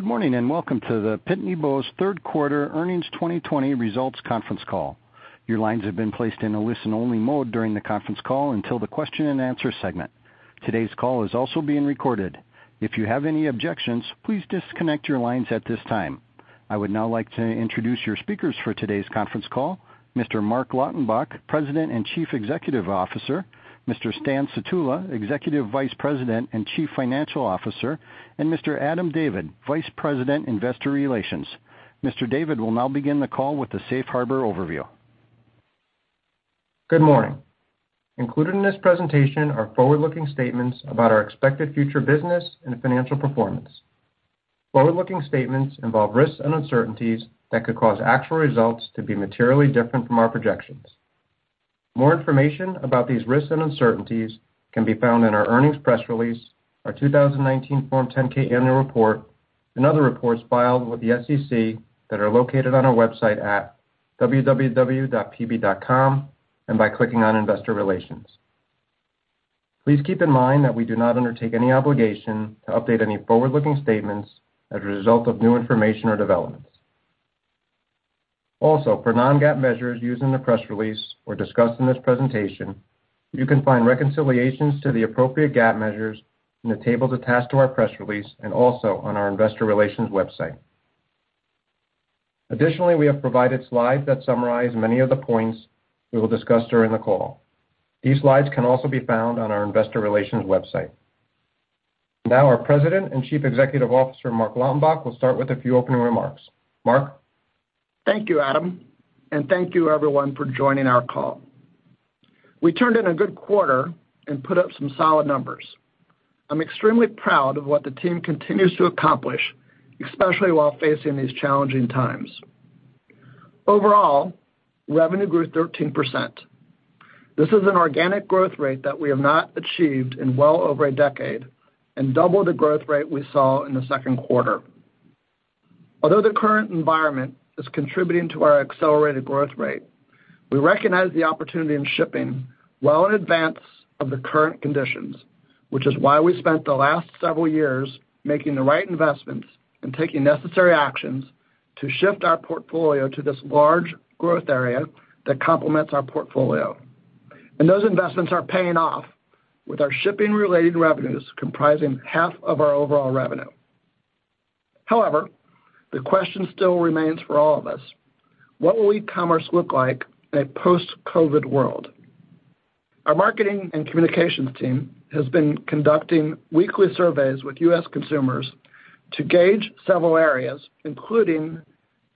Good morning, and welcome to the Pitney Bowes third quarter earnings 2020 results conference call. Your lines have been placed in a listen-only mode during the conference call until the question and answer segment. Today's call is also being recorded. If you have any objections, please disconnect your lines at this time. I would now like to introduce your speakers for today's conference call: Mr. Marc Lautenbach, President and Chief Executive Officer; Mr. Stan Sutula, Executive Vice President and Chief Financial Officer; and Mr. Adam David, Vice President, Investor Relations. Mr. David will now begin the call with the Safe Harbor overview. Good morning. Included in this presentation are forward-looking statements about our expected future business and financial performance. Forward-looking statements involve risks and uncertainties that could cause actual results to be materially different from our projections. More information about these risks and uncertainties can be found in our earnings press release, our 2019 Form 10-K annual report, and other reports filed with the SEC that are located on our website at www.pb.com and by clicking on Investor Relations. Please keep in mind that we do not undertake any obligation to update any forward-looking statements as a result of new information or developments. Also, for non-GAAP measures used in the press release or discussed in this presentation, you can find reconciliations to the appropriate GAAP measures in the table attached to our press release and also on our Investor Relations website. Additionally, we have provided slides that summarize many of the points we will discuss during the call. These slides can also be found on our investor relations website. Now, our President and Chief Executive Officer, Marc Lautenbach, will start with a few opening remarks. Marc? Thank you, Adam. Thank you, everyone, for joining our call. We turned in a good quarter and put up some solid numbers. I'm extremely proud of what the team continues to accomplish, especially while facing these challenging times. Overall, revenue grew 13%. This is an organic growth rate that we have not achieved in well over a decade, and double the growth rate we saw in the second quarter. Although the current environment is contributing to our accelerated growth rate, we recognize the opportunity in shipping well in advance of the current conditions, which is why we spent the last several years making the right investments and taking necessary actions to shift our portfolio to this large growth area that complements our portfolio. Those investments are paying off with our shipping-related revenues comprising half of our overall revenue. However, the question still remains for all of us, what will e-commerce look like in a post-COVID world? Our marketing and communications team has been conducting weekly surveys with U.S. consumers to gauge several areas, including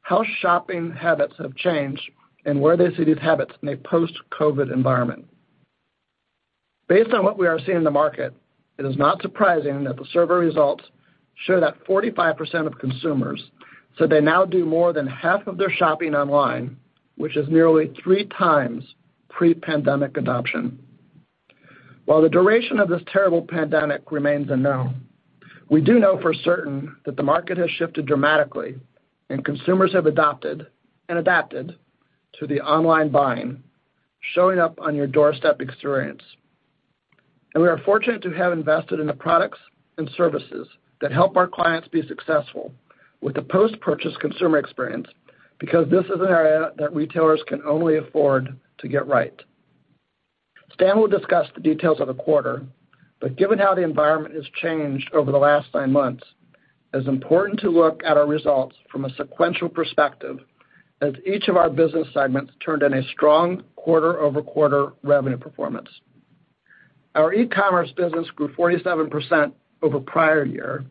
how shopping habits have changed and where they see these habits in a post-COVID environment. Based on what we are seeing in the market, it is not surprising that the survey results show that 45% of consumers said they now do more than half of their shopping online, which is nearly 3x pre-pandemic adoption. While the duration of this terrible pandemic remains unknown, we do know for certain that the market has shifted dramatically and consumers have adopted and adapted to the online buying, showing up on your doorstep experience. We are fortunate to have invested in the products and services that help our clients be successful with the post-purchase consumer experience because this is an area that retailers can only afford to get right. Stan will discuss the details of the quarter, but given how the environment has changed over the last nine months, it's important to look at our results from a sequential perspective as each of our business segments turned in a strong quarter-over-quarter revenue performance. Our Global Ecommerce business grew 47% over the prior year,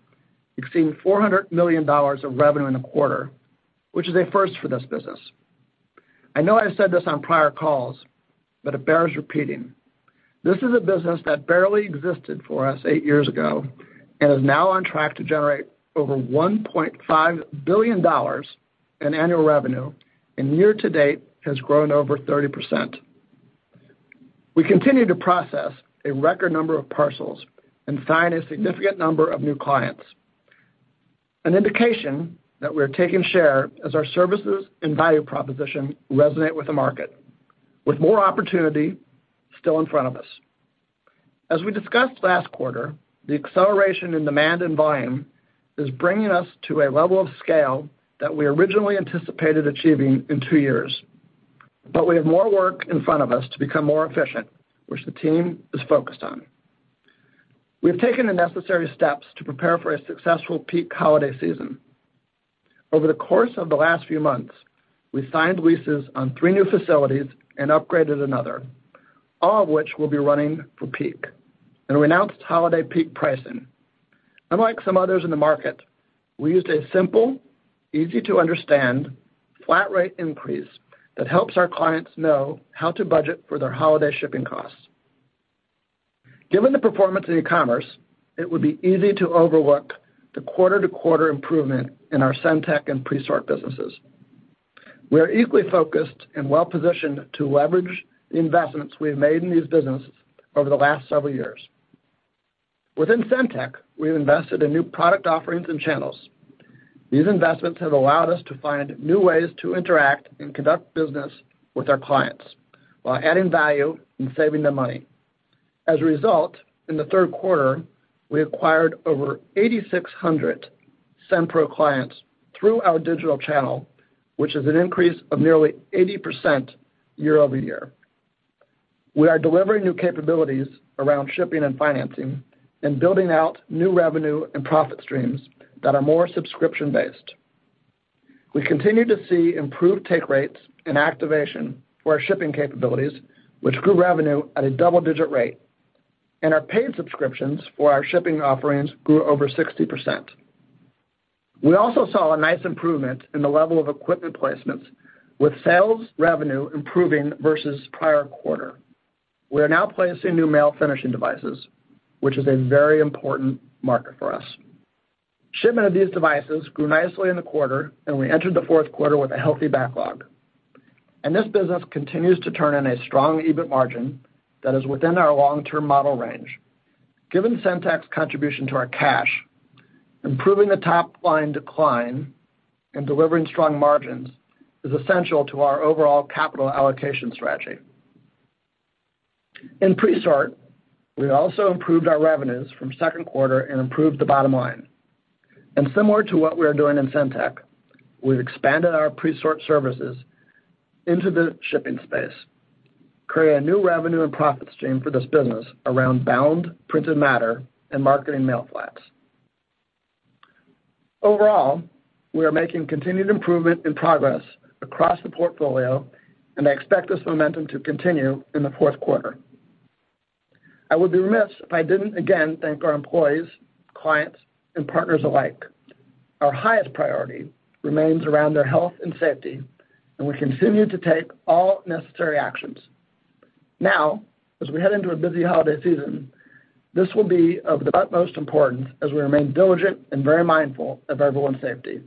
exceeding $400 million in revenue in the quarter, which is a first for this business. I know I said this on prior calls, but it bears repeating. This is a business that barely existed for us eight years ago and is now on track to generate over $1.5 billion in annual revenue, and year to date has grown over 30%. We continue to process a record number of parcels and sign a significant number of new clients, an indication that we are taking share as our services and value proposition resonate with the market, with more opportunity still in front of us. As we discussed last quarter, the acceleration in demand and volume is bringing us to a level of scale that we originally anticipated achieving in two years. We have more work in front of us to become more efficient, which the team is focused on. We have taken the necessary steps to prepare for a successful peak holiday season. Over the course of the last few months, we signed leases on three new facilities and upgraded another, all of which will be running for peak, and we announced holiday peak pricing. Unlike some others in the market, we used a simple, easy-to-understand flat rate increase that helps our clients know how to budget for their holiday shipping costs. Given the performance in Global Ecommerce, it would be easy to overlook the quarter-to-quarter improvement in our SendTech and Presort businesses. We are equally focused and well-positioned to leverage the investments we have made in these businesses over the last several years. Within SendTech, we have invested in new product offerings and channels. These investments have allowed us to find new ways to interact and conduct business with our clients while adding value and saving them money. As a result, in the third quarter, we acquired over 8,600 SendPro clients through our digital channel, which is an increase of nearly 80% year-over-year. We are delivering new capabilities around shipping, financing, and building out new revenue and profit streams that are more subscription-based. We continue to see improved take rates and activation for our shipping capabilities, which grew revenue at a double-digit rate, and our paid subscriptions for our shipping offerings grew over 60%. We also saw a nice improvement in the level of equipment placements, with sales revenue improving versus the prior quarter. We are now placing new mail finishing devices, which is a very important market for us. Shipment of these devices grew nicely in the quarter, and we entered the fourth quarter with a healthy backlog. This business continues to turn in a strong EBIT margin that is within our long-term model range. Given SendTech's contribution to our cash, improving the top-line decline and delivering strong margins is essential to our overall capital allocation strategy. In Presort, we also improved our revenues from the second quarter and improved the bottom line. Similar to what we are doing in SendTech, we've expanded our Presort Services into the shipping space, creating a new revenue and profit stream for this business around Bound Printed Matter and Marketing Mail flats. Overall, we are making continued improvement and progress across the portfolio, and I expect this momentum to continue in the fourth quarter. I would be remiss if I didn't again thank our employees, clients, and partners alike. Our highest priority remains around their health and safety, and we continue to take all necessary actions. As we head into a busy holiday season, this will be of the utmost importance as we remain diligent and very mindful of everyone's safety.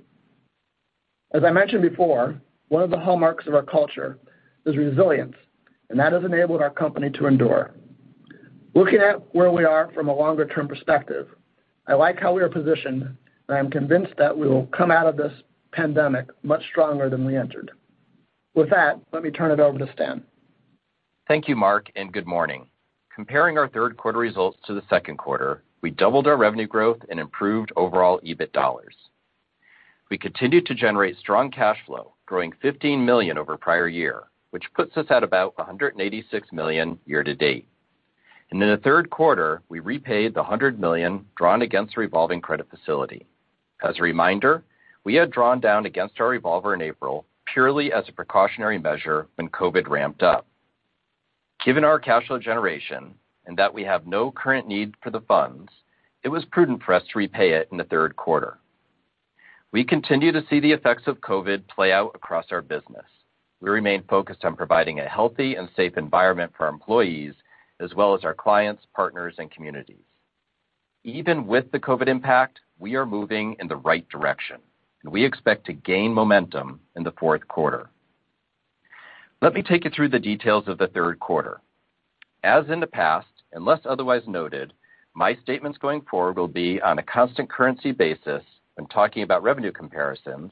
As I mentioned before, one of the hallmarks of our culture is resilience, and that has enabled our company to endure. Looking at where we are from a longer-term perspective, I like how we are positioned, and I am convinced that we will come out of this pandemic much stronger than we entered. With that, let me turn it over to Stan. Thank you, Marc. Good morning. Comparing our third quarter results to the second quarter, we doubled our revenue growth and improved overall EBIT dollars. We continued to generate strong cash flow, growing $15 million over the prior year, which puts us at about $186 million year to date. In the third quarter, we repaid the $100 million drawn against the revolving credit facility. As a reminder, we had drawn down against our revolver in April purely as a precautionary measure when COVID ramped up. Given our cash flow generation and that we have no current need for the funds, it was prudent for us to repay it in the third quarter. We continue to see the effects of COVID play out across our business. We remain focused on providing a healthy and safe environment for our employees as well as our clients, partners, and communities. Even with the COVID impact, we are moving in the right direction, and we expect to gain momentum in the fourth quarter. Let me take you through the details of the third quarter. As in the past, unless otherwise noted, my statements going forward will be on a constant currency basis when talking about revenue comparisons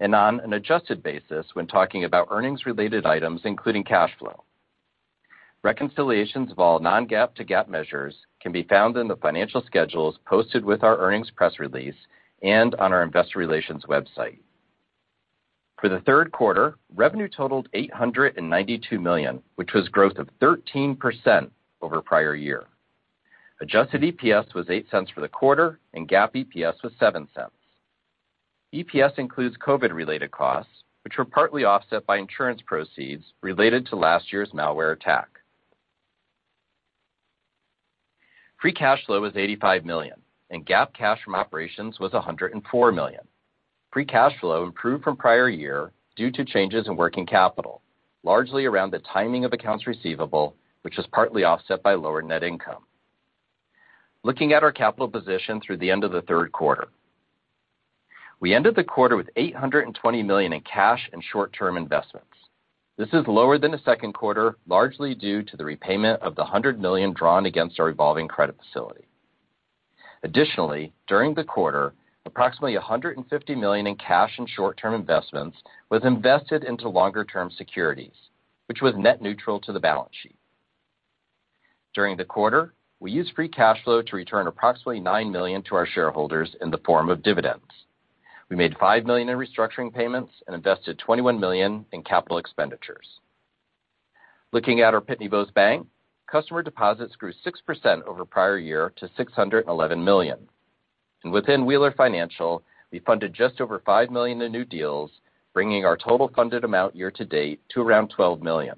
and on an adjusted basis when talking about earnings-related items, including cash flow. Reconciliations of all non-GAAP to GAAP measures can be found in the financial schedules posted with our earnings press release and on our investor relations website. For the third quarter, revenue totaled $892 million, which was a growth of 13% over the prior year. Adjusted EPS was $0.08 for the quarter, and GAAP EPS was $0.07. EPS includes COVID-related costs, which were partly offset by insurance proceeds related to last year's malware attack. Free cash flow was $85 million, and GAAP cash from operations was $104 million. Free cash flow improved from the prior year due to changes in working capital, largely around the timing of accounts receivable, which was partly offset by lower net income. Looking at our capital position through the end of the third quarter, we ended the quarter with $820 million in cash and short-term investments. This is lower than the second quarter, largely due to the repayment of the $100 million drawn against our revolving credit facility. Additionally, during the quarter, approximately $150 million in cash and short-term investments was invested into longer-term securities, which was net neutral to the balance sheet. During the quarter, we used free cash flow to return approximately $9 million to our shareholders in the form of dividends. We made $5 million in restructuring payments and invested $21 million in capital expenditures. Looking at our Pitney Bowes Bank, customer deposits grew 6% over prior year to $611 million. Within Wheeler Financial, we funded just over $5 million in new deals, bringing our total funded amount year to date to around $12 million.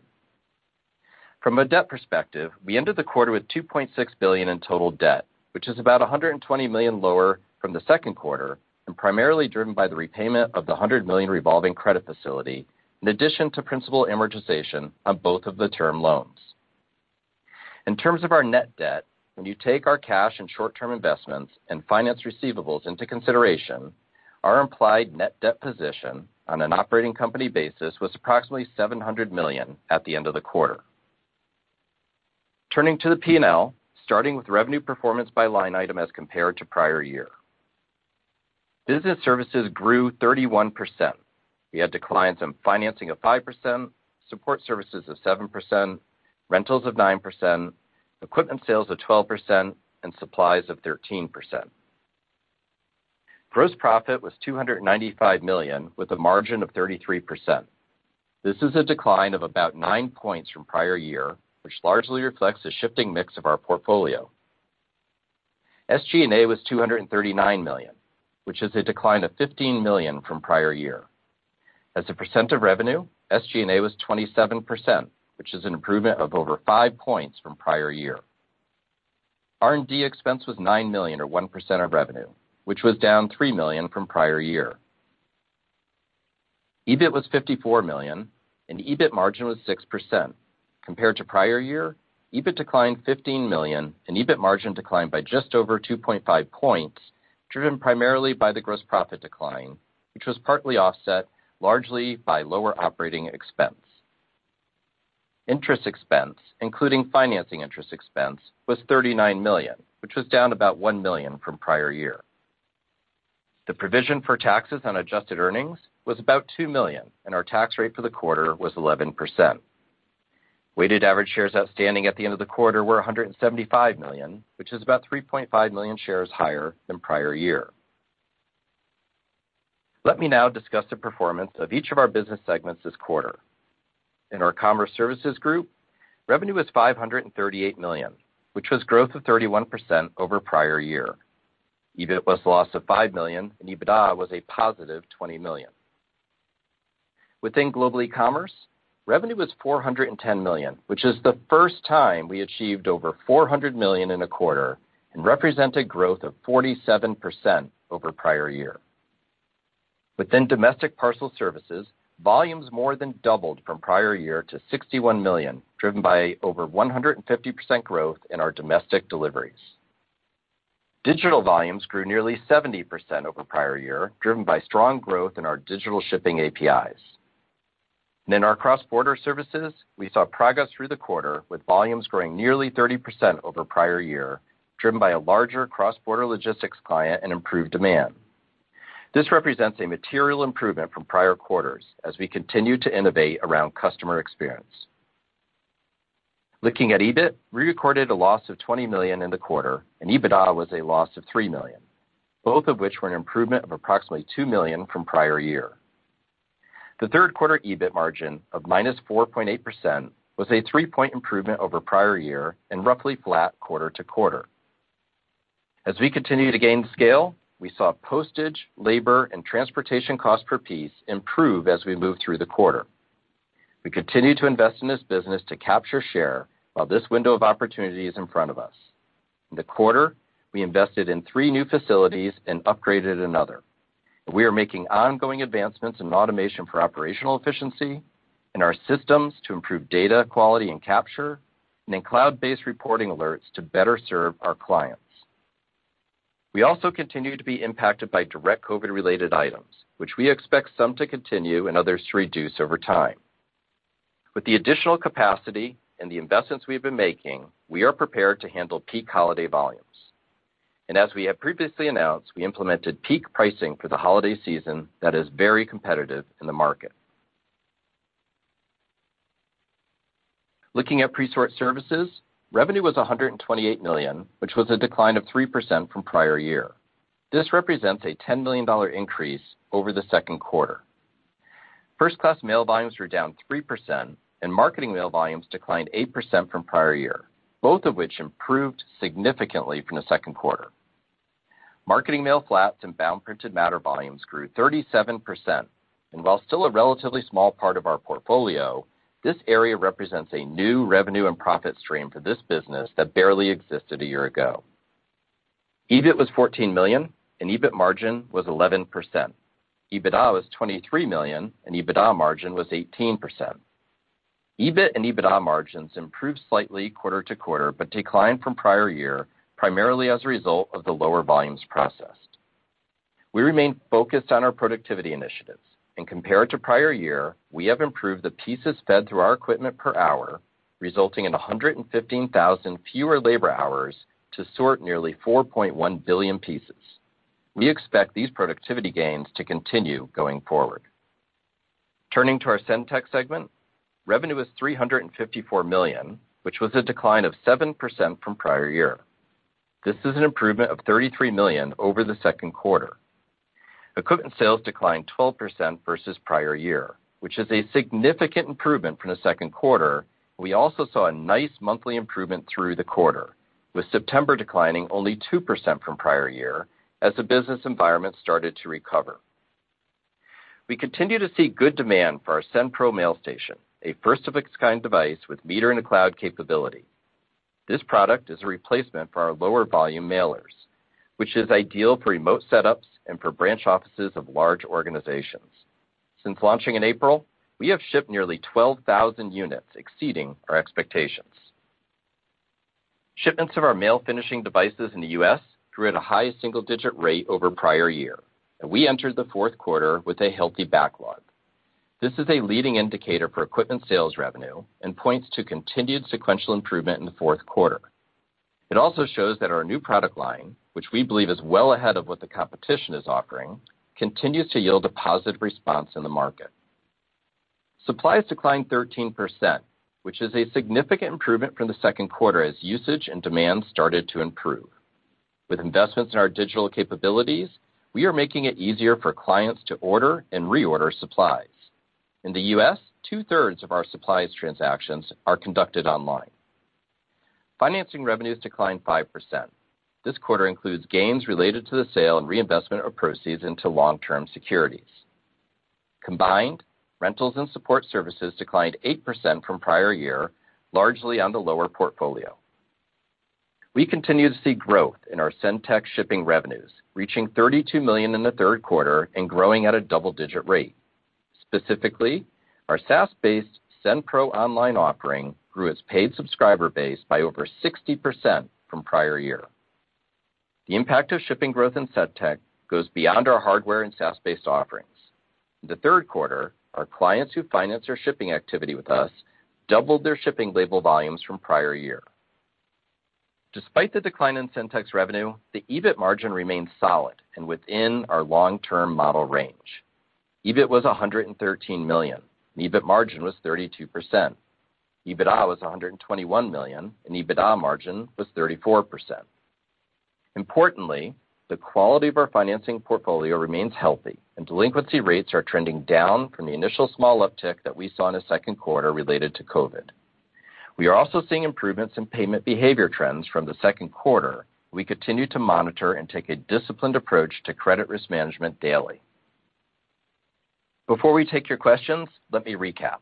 From a debt perspective, we ended the quarter with $2.6 billion in total debt, which is about $120 million lower than the second quarter and primarily driven by the repayment of the $100 million revolving credit facility in addition to principal amortization on both of the term loans. In terms of our net debt, when you take our cash and short-term investments and finance receivables into consideration, our implied net debt position on an operating company basis was approximately $700 million at the end of the quarter. Turning to the P&L, starting with revenue performance by line item as compared to the prior year. Business Services grew 31%. We had declines in financing of 5%, support services of 7%, rentals of 9%, equipment sales of 12%, and supplies of 13%. Gross profit was $295 million, with a margin of 33%. This is a decline of about 9 percentage points from the prior year, which largely reflects the shifting mix of our portfolio. SG&A was $239 million, which is a decline of $15 million from the prior year. As a percent of revenue, SG&A was 27%, which is an improvement of over 5 percentage points from the prior year. R&D expense was $9 million, or 1% of revenue, which was down $3 million from the prior year. EBIT was $54 million, and EBIT margin was 6%. Compared to the prior year, EBIT declined by $15 million, and EBIT margin declined by just over 2.5 percentage points, driven primarily by the gross profit decline, which was partly offset largely by lower operating expenses. Interest expense, including financing interest expense, was $39 million, which was down about $1 million from the prior year. The provision for taxes on adjusted earnings was about $2 million, and our tax rate for the quarter was 11%. Weighted average shares outstanding at the end of the quarter were 175 million, which is about 3.5 million shares higher than the prior year. Let me now discuss the performance of each of our business segments this quarter. In our Commerce Services group, revenue was $538 million, which was a growth of 31% over the prior year. EBIT was a loss of $5 million, and EBITDA was a positive $20 million. Within Global Ecommerce, revenue was $410 million, which is the first time we achieved over $400 million in a quarter and represented growth of 47% over the prior year. Within domestic parcel services, volumes more than doubled from the prior year to 61 million, driven by over 150% growth in our domestic deliveries. Digital volumes grew nearly 70% over the prior year, driven by strong growth in our digital shipping APIs. In our Cross-Border Services, we saw progress through the quarter, with volumes growing nearly 30% over the prior year, driven by a larger cross-border logistics client and improved demand. This represents a material improvement from prior quarters as we continue to innovate around customer experience. Looking at EBIT, we recorded a loss of $20 million in the quarter, and EBITDA was a loss of $3 million, both of which were an improvement of approximately $2 million from the prior year. The third quarter EBIT margin of -4.8% was a 3 percentage points improvement over the prior year and roughly flat quarter-to-quarter. As we continue to gain scale, we saw postage, labor, and transportation costs per piece improve as we moved through the quarter. We continue to invest in this business to capture share while this window of opportunity is in front of us. In the quarter, we invested in three new facilities and upgraded another. We are making ongoing advancements in automation for operational efficiency, in our systems to improve data quality and capture, and in cloud-based reporting alerts to better serve our clients. We also continue to be impacted by direct COVID-related items, which we expect some to continue and others to reduce over time. With the additional capacity and the investments we've been making, we are prepared to handle peak holiday volumes. As we have previously announced, we implemented peak pricing for the holiday season, which is very competitive in the market. Looking at Presort Services, revenue was $128 million, which was a decline of 3% from the prior year. This represents a $10 million increase over the second quarter. First-Class Mail volumes were down 3%, and Marketing Mail volumes declined 8% from the prior year, both of which improved significantly from the second quarter. Marketing Mail flats and Bound Printed Matter volumes grew 37%, and while still a relatively small part of our portfolio, this area represents a new revenue and profit stream for this business that barely existed one year ago. EBIT was $14 million, and EBIT margin was 11%. EBITDA was $23 million, and EBITDA margin was 18%. EBIT and EBITDA margins improved slightly quarter-to-quarter, but declined from the prior year, primarily as a result of the lower volumes processed. We remain focused on our productivity initiatives, and compared to the prior year, we have improved the pieces fed through our equipment per hour, resulting in 115,000 fewer labor hours to sort nearly 4.1 billion pieces. We expect these productivity gains to continue going forward. Turning to our SendTech segment, revenue was $354 million, which was a decline of 7% from the prior year. This is an improvement of $33 million over the second quarter. Equipment sales declined 12% versus the prior year, which is a significant improvement from the second quarter. We also saw a nice monthly improvement through the quarter, with September declining only 2% from the prior year as the business environment started to recover. We continue to see good demand for our SendPro Mailstation, a first-of-its-kind device with meter and cloud capability. This product is a replacement for our lower-volume mailers, which are ideal for remote setups and for branch offices of large organizations. Since launching in April, we have shipped nearly 12,000 units, exceeding our expectations. Shipments of our mail finishing devices in the U.S. grew at a high single-digit rate over the prior year, and we entered the fourth quarter with a healthy backlog. This is a leading indicator for equipment sales revenue and points to continued sequential improvement in the fourth quarter. It also shows that our new product line, which we believe is well ahead of what the competition is offering, continues to yield a positive response in the market. Supplies declined 13%, which is a significant improvement from the second quarter as usage and demand started to improve. With investments in our digital capabilities, we are making it easier for clients to order and reorder supplies. In the U.S., two-thirds of our supplies transactions are conducted online. Financing revenues declined 5%. This quarter includes gains related to the sale and reinvestment of proceeds into long-term securities. Combined, rentals and support services declined 8% from the prior year, largely due to the lower portfolio. We continue to see growth in our SendTech shipping revenues, reaching $32 million in the third quarter and growing at a double-digit rate. Specifically, our SaaS-based SendPro Online offering grew its paid subscriber base by over 60% from the prior year. The impact of shipping growth in SendTech goes beyond our hardware and SaaS-based offerings. In the third quarter, our clients who finance their shipping activity with us doubled their shipping label volumes from the prior year. Despite the decline in SendTech's revenue, the EBIT margin remains solid and within our long-term model range. EBIT was $113 million, and EBIT margin was 32%. EBITDA was $121 million, and EBITDA margin was 34%. Importantly, the quality of our financing portfolio remains healthy, and delinquency rates are trending down from the initial small uptick that we saw in the second quarter related to COVID. We are also seeing improvements in payment behavior trends from the second quarter. We continue to monitor and take a disciplined approach to credit risk management daily. Before we take your questions, let me recap.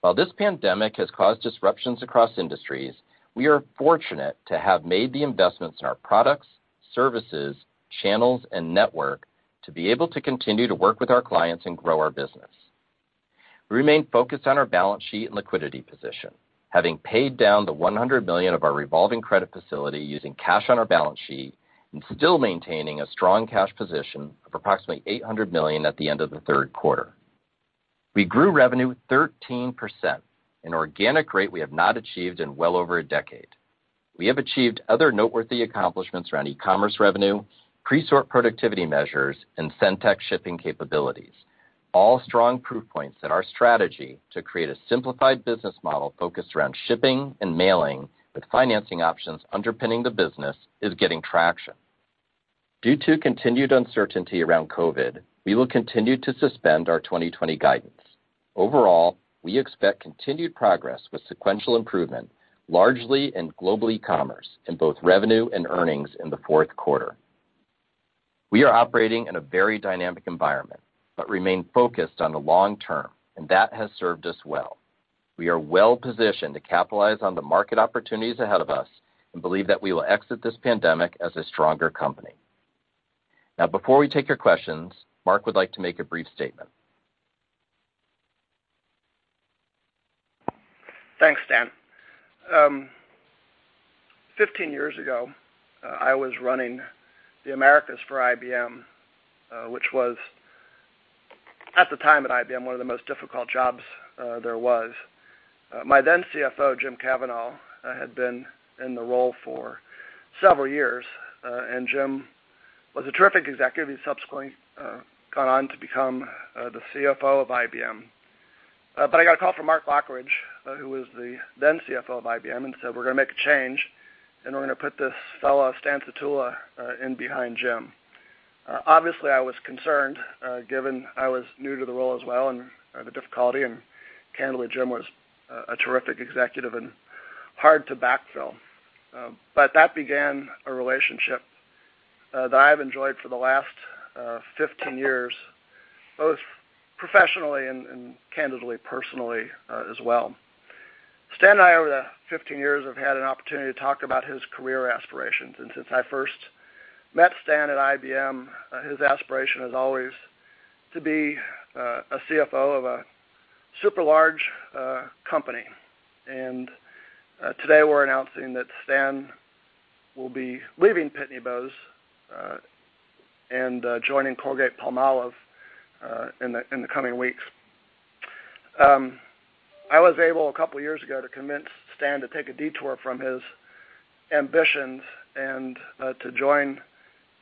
While this pandemic has caused disruptions across industries, we are fortunate to have made the investments in our products, services, channels, and network to be able to continue to work with our clients and grow our business. We remain focused on our balance sheet and liquidity position, having paid down the $100 million of our revolving credit facility using cash on our balance sheet and still maintaining a strong cash position of approximately $800 million at the end of the third quarter. We grew revenue 13%, an organic rate we have not achieved in well over a decade. We have achieved other noteworthy accomplishments around Global Ecommerce revenue, Presort productivity measures, and SendTech shipping capabilities. All strong proof points that our strategy to create a simplified business model focused on shipping and mailing, with financing options underpinning the business, is getting traction. Due to continued uncertainty around COVID, we will continue to suspend our 2020 guidance. Overall, we expect continued progress with sequential improvement, largely in Global Ecommerce in both revenue and earnings in the fourth quarter. We are operating in a very dynamic environment, but we remain focused on the long term, and that has served us well. We are well positioned to capitalize on the market opportunities ahead of us and believe that we will exit this pandemic as a stronger company. Now, before we take your questions, Marc would like to make a brief statement. Thanks, Stan. 15 years ago, I was running the Americas for IBM, which was, at the time at IBM, one of the most difficult jobs there was. My then CFO, Jim Kavanaugh, had been in the role for several years. Jim was a terrific executive. He subsequently went on to become the CFO of IBM. I got a call from Mark Loughridge, who was the then CFO of IBM, and said, "We're going to make a change, and we're going to put this fellow, Stan Sutula, behind Jim." Obviously, I was concerned, given I was new to the role as well, and the difficulty, and candidly, Jim was a terrific executive and hard to backfill. That began a relationship that I've enjoyed for the last 15 years, both professionally and candidly, personally as well. Stan and I, over the past 15 years, have had an opportunity to talk about his career aspirations. Since I first met Stan at IBM, his aspiration has always been to be a CFO of a super-large company. Today, we're announcing that Stan will be leaving Pitney Bowes and joining Colgate-Palmolive in the coming weeks. I was able, a couple of years ago, to convince Stan to take a detour from his ambitions and to join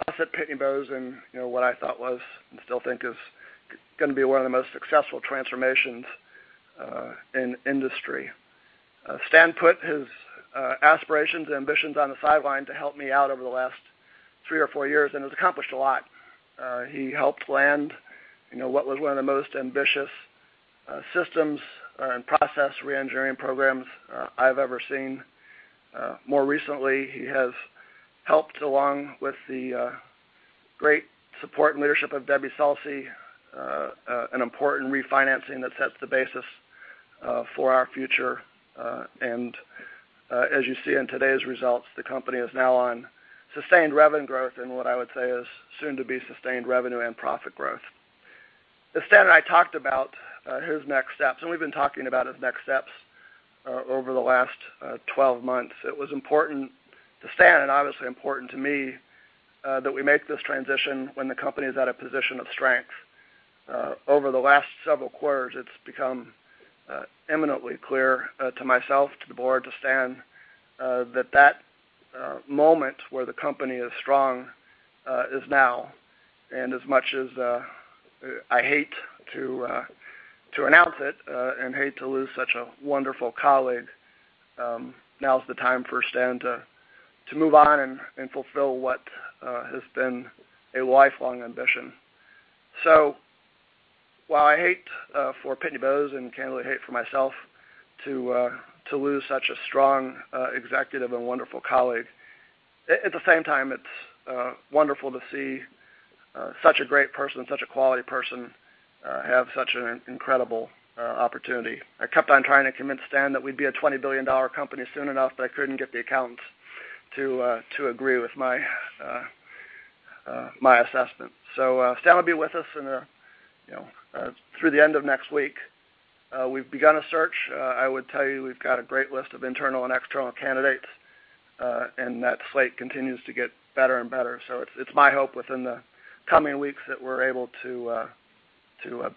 us at Pitney Bowes in what I thought was, and still think is, going to be one of the most successful transformations in the industry. Stan put his aspirations and ambitions on the sideline to help me out over the last three or four years and has accomplished a lot. He helped land what was one of the most ambitious systems and process reengineering programs I've ever seen. More recently, he has helped, along with the great support and leadership of Debbie Salce, an important refinancing that sets the basis for our future. As you see in today's results, the company is now on sustained revenue growth, in what I would say is soon to be sustained revenue and profit growth. As Stan and I talked about his next steps, and we've been talking about his next steps over the last 12 months, it was important to Stan, and obviously important to me, that we make this transition when the company is at a position of strength. Over the last several quarters, it's become imminently clear to myself, to the board, to Stan, that that moment where the company is strong is now. As much as I hate to announce it and hate to lose such a wonderful colleague, now is the time for Stan to move on and fulfill what has been a lifelong ambition. While I hate for Pitney Bowes, and candidly hate for myself, to lose such a strong executive and wonderful colleague, at the same time, it's wonderful to see such a great person, such a quality person, have such an incredible opportunity. I kept on trying to convince Stan that we'd be a $20 billion company soon enough, but I couldn't get the accountants to agree with my assessment. Stan will be with us through the end of next week. We've begun a search. I would tell you, we've got a great list of internal and external candidates, and that slate continues to get better and better. It's my hope within the coming weeks that we're able to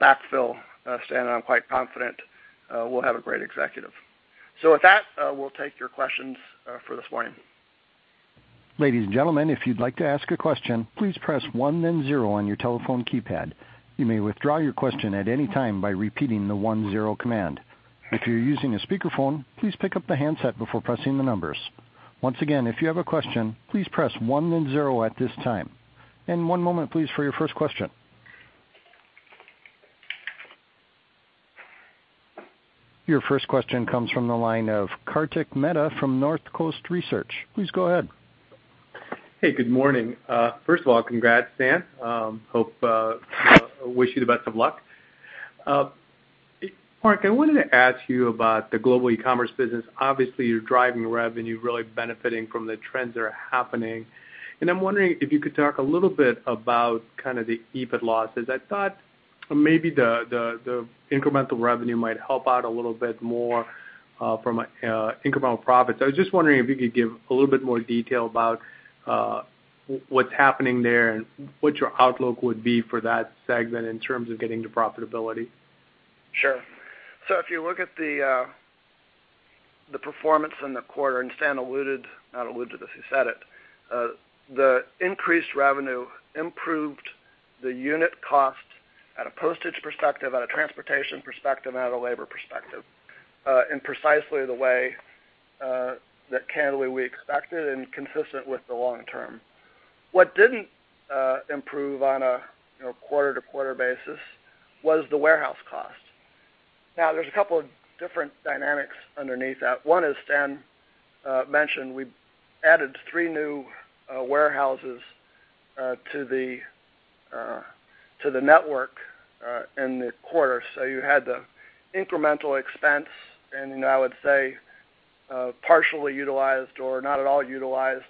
backfill Stan, and I'm quite confident we'll have a great executive. With that, we'll take your questions for this morning. Ladies and gentlemen, if you'd like to ask a question, please press one then zero on your telephone keypad. You may withdraw your question at any time by repeating the one-zero command. If you're using a speakerphone, please pick up the handset before pressing the numbers. Once again, if you have a question, please press one then zero at this time. One moment, please, for your first question. Your first question comes from the line of Kartik Mehta from Northcoast Research. Please go ahead. Hey, good morning. First of all, congrats, Stan. Wish you the best of luck. Marc, I wanted to ask you about the Global Ecommerce business. Obviously, you're driving revenue, really benefiting from the trends that are happening. I'm wondering if you could talk a little bit about the EBIT losses. I thought maybe the incremental revenue might help out a little bit more from incremental profits. I was just wondering if you could give a little bit more detail about what's happening there and what your outlook would be for that segment in terms of getting to profitability. Sure. If you look at the performance in the quarter, and Stan alluded, not alluded to this, he said it, the increased revenue improved the unit cost at a postage perspective, at a transportation perspective, and at a labor perspective in precisely the way that candidly we expected and consistent with the long term. What didn't improve on a quarter-to-quarter basis was the warehouse cost. Now, there are a couple of different dynamics underneath that. One, as Stan mentioned, we added three new warehouses to the network in the quarter. You had the incremental expense, and I would say partially utilized or not at all utilized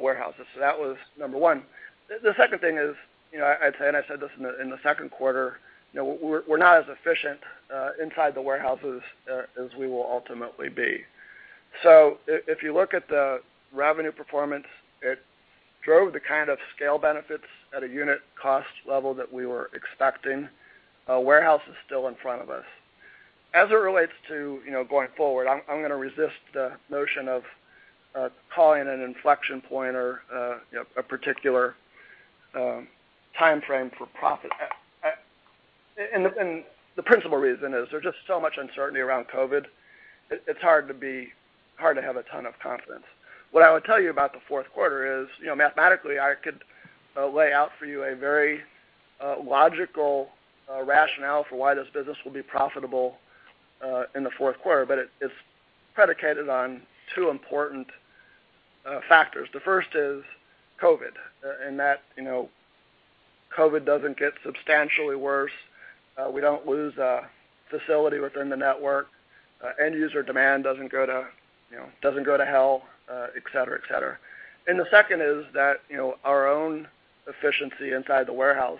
warehouses. That was number one. The second thing is, and I said this in the second quarter, we're not as efficient inside the warehouses as we will ultimately be. If you look at the revenue performance, it drove the kind of scale benefits at a unit cost level that we were expecting. The warehouse is still in front of us. As it relates to going forward, I'm going to resist the notion of calling it an inflection point or a particular timeframe for profit. The principal reason is that there's just so much uncertainty around COVID. It's hard to have a ton of confidence. What I would tell you about the fourth quarter is, mathematically, I could lay out for you a very logical rationale for why this business will be profitable in the fourth quarter, but it's predicated on two important factors. The first is COVID, in that COVID doesn't get substantially worse. We don't lose a facility within the network. End user demand doesn't go to hell, et cetera. The second is that our own efficiency inside the warehouse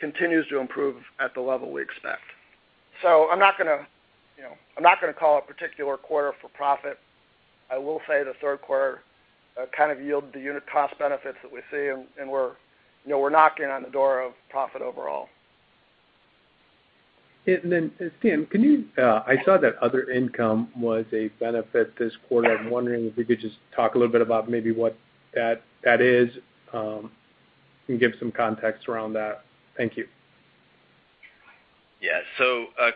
continues to improve at the level we expect. I'm not going to call a particular quarter for profit. I will say the third quarter kind of yielded the unit-cost benefits that we see, and we're knocking on the door of profit overall. Stan, I saw that other income was a benefit this quarter. I'm wondering if you could just talk a little bit about maybe what that is and give some context around that. Thank you.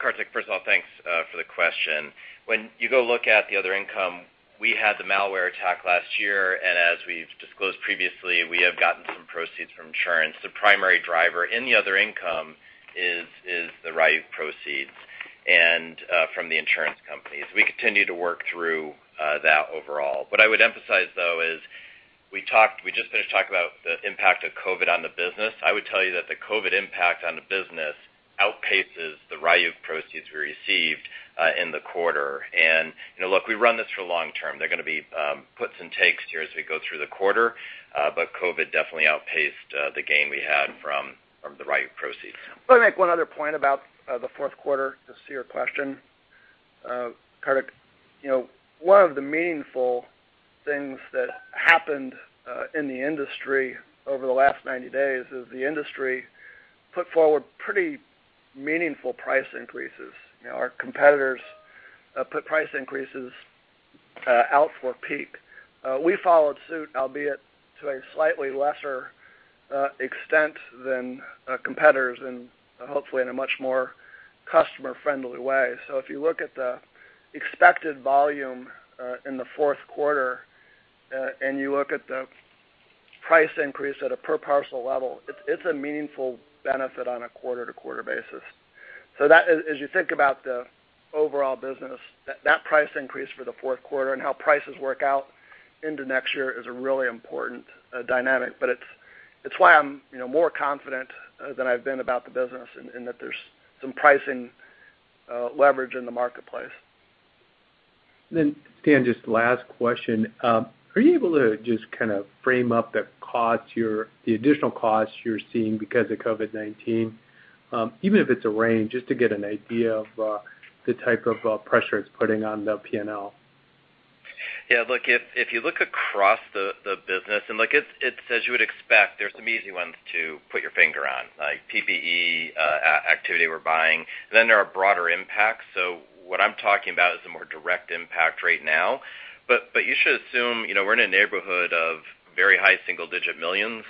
Kartik, first of all, thanks for the question. When you go look at the other income, we had the malware attack last year, as we've disclosed previously, we have gotten some proceeds from insurance. The primary driver of the other income is the Ryuk proceeds from the insurance companies. We continue to work through that overall. What I would emphasize, though, is that we just finished talking about the impact of COVID on the business. I would tell you that the COVID impact on the business outpaces the Ryuk proceeds we received in the quarter. Look, we run this for the long term. There are going to be puts and takes here as we go through the quarter, COVID definitely outpaced the gain we had from the Ryuk proceeds. Let me make one other point about the fourth quarter to your question. Kartik, one of the meaningful things that happened in the industry over the last 90 days is that the industry put forward pretty meaningful price increases. Our competitors put price increases out for peak. We followed suit, albeit to a slightly lesser extent than competitors, and hopefully in a much more customer-friendly way. If you look at the expected volume in the fourth quarter, and you look at the price increase at a per-parcel level, it's a meaningful benefit on a quarter-to-quarter basis. As you think about the overall business, that price increase for the fourth quarter and how prices work out into next year is a really important dynamic. It's why I'm more confident than I've been about the business, in that there's some pricing leverage in the marketplace. Stan, just one last question. Are you able to just kind of frame up the additional costs you're seeing because of COVID-19? Even if it's a range, just to get an idea of the type of pressure it's putting on the P&L. Yeah, look, if you look across the business, and look, it's as you would expect, there are some easy ones to put your finger on, like PPE activity we're buying. There are broader impacts. What I'm talking about is the more direct impact right now. You should assume we're in a neighborhood of very high single-digit millions.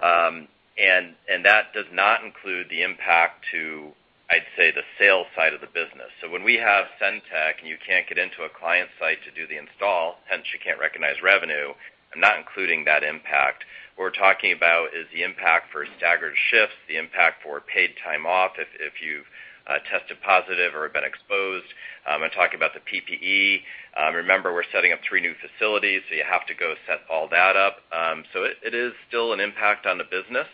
That does not include the impact to, I'd say, the sales side of the business. When we have SendTech, and you can't get into a client site to do the install, hence you can't recognize revenue, I'm not including that impact. We're talking about the impact of staggered shifts, the impact on paid time off if you've tested positive or been exposed. I'm talking about the PPE. Remember, we're setting up three new facilities, so you have to go set all that up. It still has an impact on the business.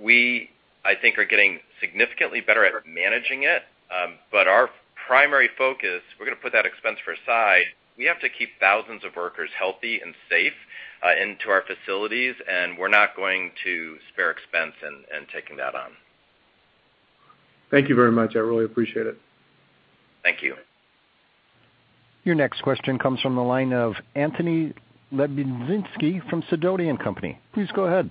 We, I think, are getting significantly better at managing it. Our primary focus is that we're going to put that expense aside. We have to keep thousands of workers healthy and safe in our facilities, and we're not going to spare expense in taking that on. Thank you very much. I really appreciate it. Thank you. Your next question comes from the line of Anthony Lebiedzinski from Sidoti & Company. Please go ahead.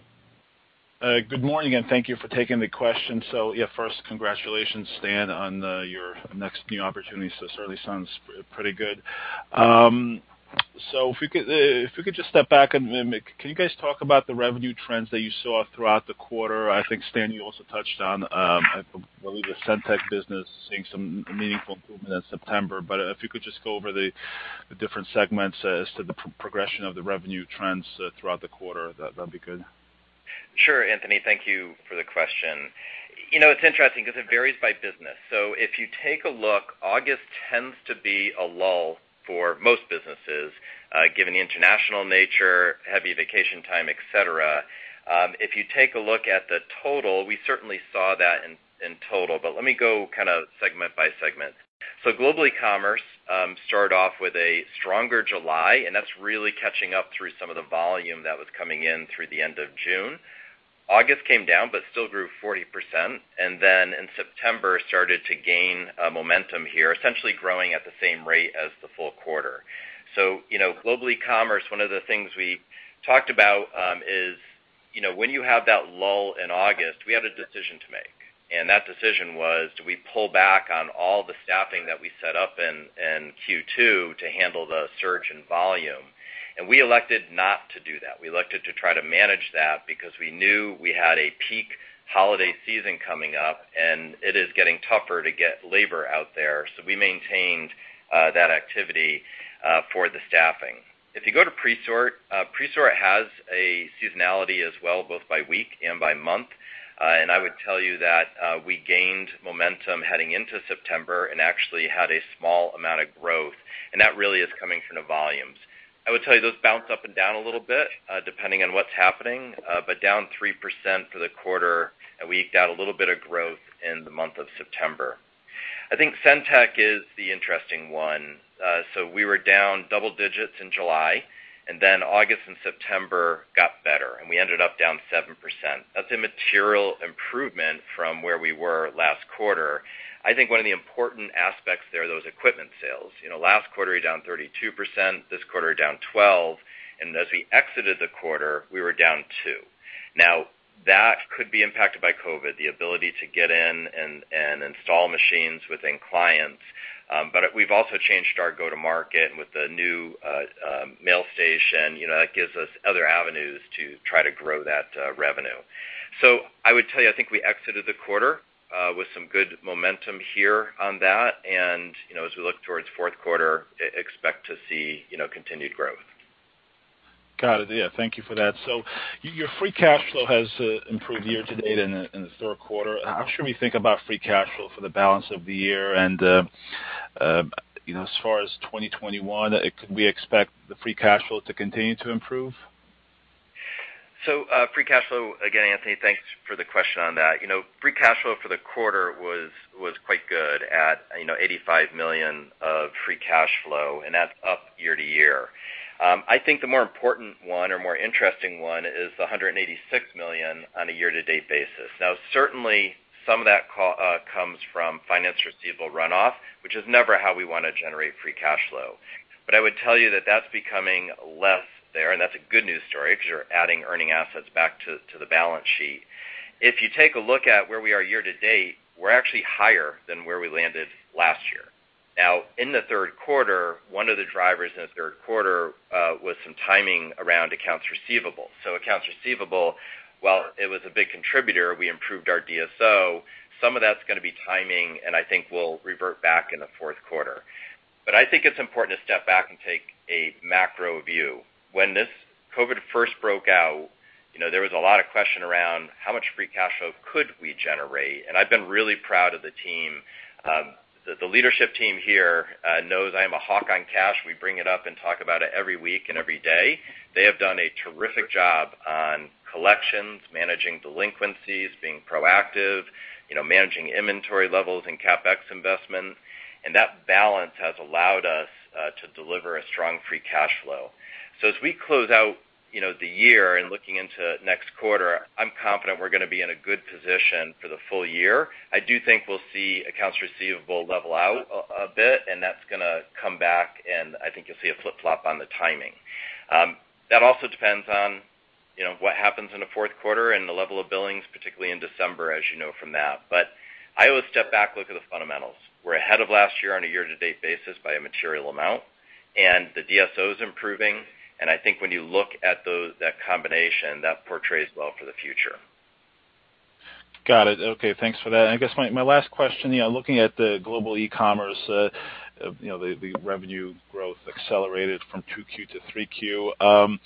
Good morning, and thank you for taking the question. Yeah, first congratulations, Stan, on your new opportunity. It certainly sounds pretty good. If we could just step back a minute. Can you guys talk about the revenue trends that you saw throughout the quarter? I think, Stan, you also touched on, I believe, the SendTech business seeing some meaningful improvement in September. If you could just go over the different segments as to the progression of the revenue trends throughout the quarter, that'd be good. Sure, Anthony, thank you for the question. It's interesting because it varies by business. If you take a look, August tends to be a lull for most businesses, given the international nature, heavy vacation time, et cetera. If you take a look at the total, we certainly saw that in total. Let me go kind of segment by segment. Global Ecommerce started off with a stronger July, and that's really catching up through some of the volume that was coming in through the end of June. August came down but still grew 40%, and then in September, it started to gain momentum here, essentially growing at the same rate as the full quarter. Global Ecommerce, one of the things we talked about is when you have that lull in August, we had a decision to make, and that decision was, do we pull back on all the staffing that we set up in Q2 to handle the surge of volume? We elected not to do that. We elected to try to manage that because we knew we had a peak holiday season coming up, and it is getting tougher to get labor out there. We maintained that activity for the staffing. If you go to Presort has a seasonality as well, both by week and by month. I would tell you that we gained momentum heading into September and actually had a small amount of growth, and that really is coming from the volumes. I would tell you those bounce up and down a little bit, depending on what's happening. Down 3% for the quarter, and we eked out a little bit of growth in the month of September. I think SendTech is the interesting one. We were down double digits in July, and then August and September got better, and we ended up down 7%. That's a material improvement from where we were last quarter. I think one of the important aspects is those equipment sales. Last quarter, you're down 32%, this quarter down 12%, and as we exited the quarter, we were down 2%. That could be impacted by COVID, the ability to get in and install machines within clients. We've also changed our go-to market with the new SendPro Mailstation. That gives us other avenues to try to grow that revenue. I would tell you, I think we exited the quarter with some good momentum here on that. As we look towards the fourth quarter, we expect to see continued growth. Got it. Yeah, thank you for that. Your free cash flow has improved year to date in the third quarter. How should we think about free cash flow for the balance of the year? As far as 2021, can we expect the free cash flow to continue to improve? Free cash flow, again, Anthony, thanks for the question on that. Free cash flow for the quarter was quite good at $85 million of free cash flow, and that's up year-to-year. I think the more important one or the more interesting one is the $186 million on a year-to-date basis. Now, certainly, some of that comes from finance receivable runoff, which is never how we want to generate free cash flow. I would tell you that that's becoming less there, and that's a good news story because you're adding earning assets back to the balance sheet. If you take a look at where we are year-to-date, we're actually higher than where we landed last year. Now, in the third quarter, one of the drivers in the third quarter was some timing around accounts receivable. Accounts receivable, while it was a big contributor, we improved our DSO. Some of that's going to be timing, and I think it will revert back in the fourth quarter. I think it's important to step back and take a macro view. When this COVID first broke out, there were a lot of questions around how much free cash flow we could generate, and I've been really proud of the team. The leadership team here knows I am a hawk on cash. We bring it up and talk about it every week and every day. They have done a terrific job on collections, managing delinquencies, being proactive, managing inventory levels, and CapEx investments, and that balance has allowed us to deliver a strong free cash flow. As we close out the year and look into next quarter, I'm confident we're going to be in a good position for the full year. I do think we'll see accounts receivable level out a bit, and that's going to come back, and I think you'll see a flip-flop on the timing. That also depends on what happens in the fourth quarter and the level of billings, particularly in December, as you know from that. I always step back, look at the fundamentals. We're ahead of last year on a year-to-date basis by a material amount, and the DSO is improving, and I think when you look at that combination, that portrays well for the future. Got it. Okay. Thanks for that. I guess my last question, looking at the Global Ecommerce, the revenue growth accelerated from 2Q to 3Q.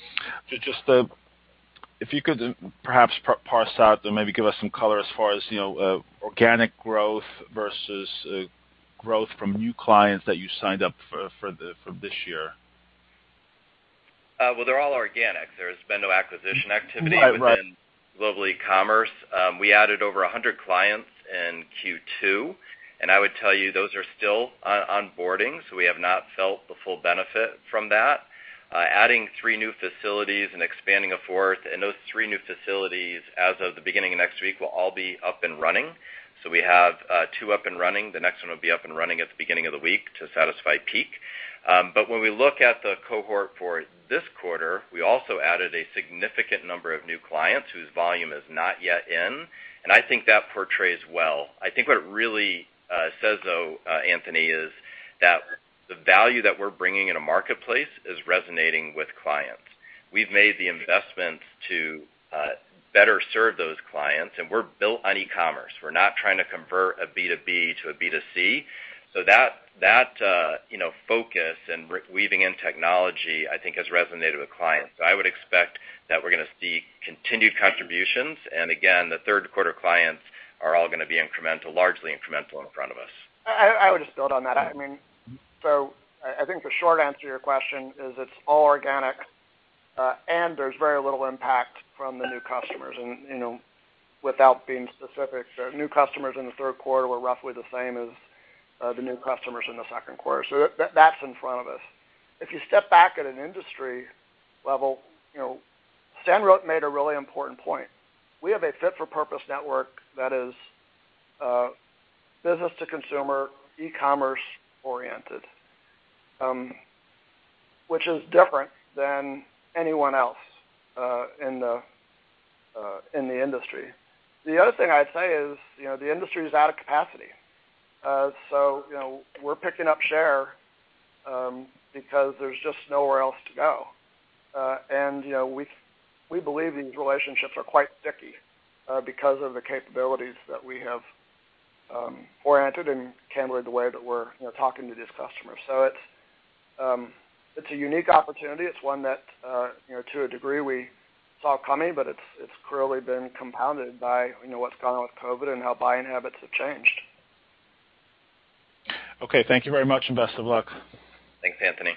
If you could perhaps parse out and maybe give us some color as far as organic growth versus growth from new clients that you signed up for this year. Well, they're all organic. There's been no acquisition activity- Right, right. Within Global Ecommerce. We added over 100 clients in Q2, and I would tell you those are still onboarding, so we have not felt the full benefit from that. Adding three new facilities and expanding a fourth, and those three new facilities as of the beginning of next week will all be up and running. We have two up and running. The next one will be up and running at the beginning of the week to satisfy the peak. When we look at the cohort for this quarter, we also added a significant number of new clients whose volume is not yet in, and I think that portrays well. I think what it really says, though, Anthony, is that the value that we're bringing in a marketplace is resonating with clients. We've made the investments to better serve those clients, and we're built on e-commerce. We're not trying to convert a B2B to a B2C. That focus and weaving in technology, I think, has resonated with clients. I would expect that we're going to see continued contributions. Again, the third-quarter clients are all going to be largely incremental in front of us. I would just build on that. I think the short answer to your question is that it's all organic, and there's very little impact from the new customers. Without being specific, new customers in the third quarter were roughly the same as the new customers in the second quarter. That's in front of us. If you step back at an industry level, Stan wrote and made a really important point. We have a fit-for-purpose network that is B2C, e-commerce oriented, which is different than anyone else in the industry. The other thing I'd say is that the industry is out of capacity. We're picking up share because there's just nowhere else to go. We believe these relationships are quite sticky because of the capabilities that we have oriented and candidly the way that we're talking to these customers. It's a unique opportunity. It's one that, to a degree, we saw coming, but it's clearly been compounded by what's gone on with COVID and how buying habits have changed. Thank you very much, and best of luck. Thanks, Anthony.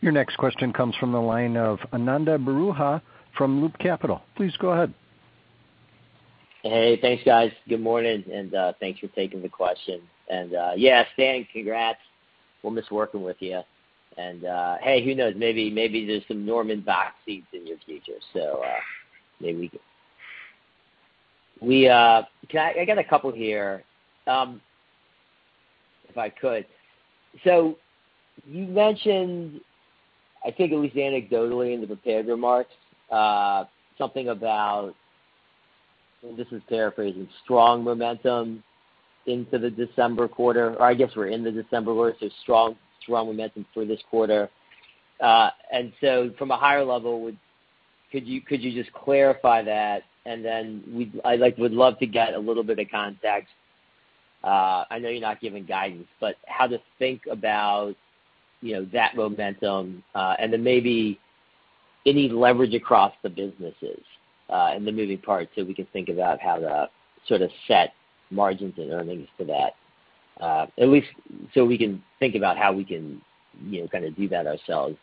Your next question comes from the line of Ananda Baruah from Loop Capital. Please go ahead. Hey, thanks, guys. Good morning, and thanks for taking the question. Yeah, Stan, congrats. We'll miss working with you. Hey, who knows, maybe there's some [Norman] box seats in your future. Maybe. I got a couple here. If I could. You mentioned, I think it was anecdotally in the prepared remarks, something about, this is paraphrasing, strong momentum into the December quarter, or I guess we're in the December quarter, strong momentum for this quarter. From a higher level, could you just clarify that? I would love to get a little bit of context. I know you're not giving guidance, but how to think about that momentum, maybe any leverage across the businesses, the moving parts so we can think about how to sort of set margins and earnings for that. At least so we can think about how we can kind of do that ourselves,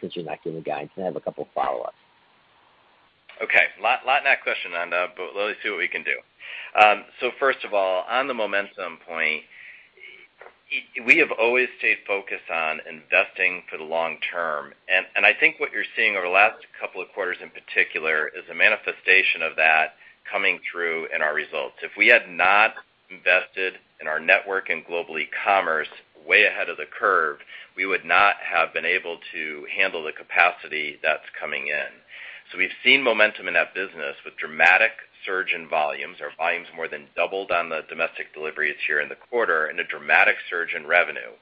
since you're not giving guidance. I have a couple of follow-ups. Okay. A lot in that question, Ananda, but let's see what we can do. First of all, on the momentum point, we have always stayed focused on investing for the long term. I think what you're seeing over the last couple of quarters, in particular, is a manifestation of that coming through in our results. If we had not invested in our network and Global Ecommerce way ahead of the curve, we would not have been able to handle the capacity that's coming in. We've seen momentum in that business with a dramatic surge in volumes. Our volumes more than doubled on the domestic deliveries here in the quarter, and a dramatic surge in revenue.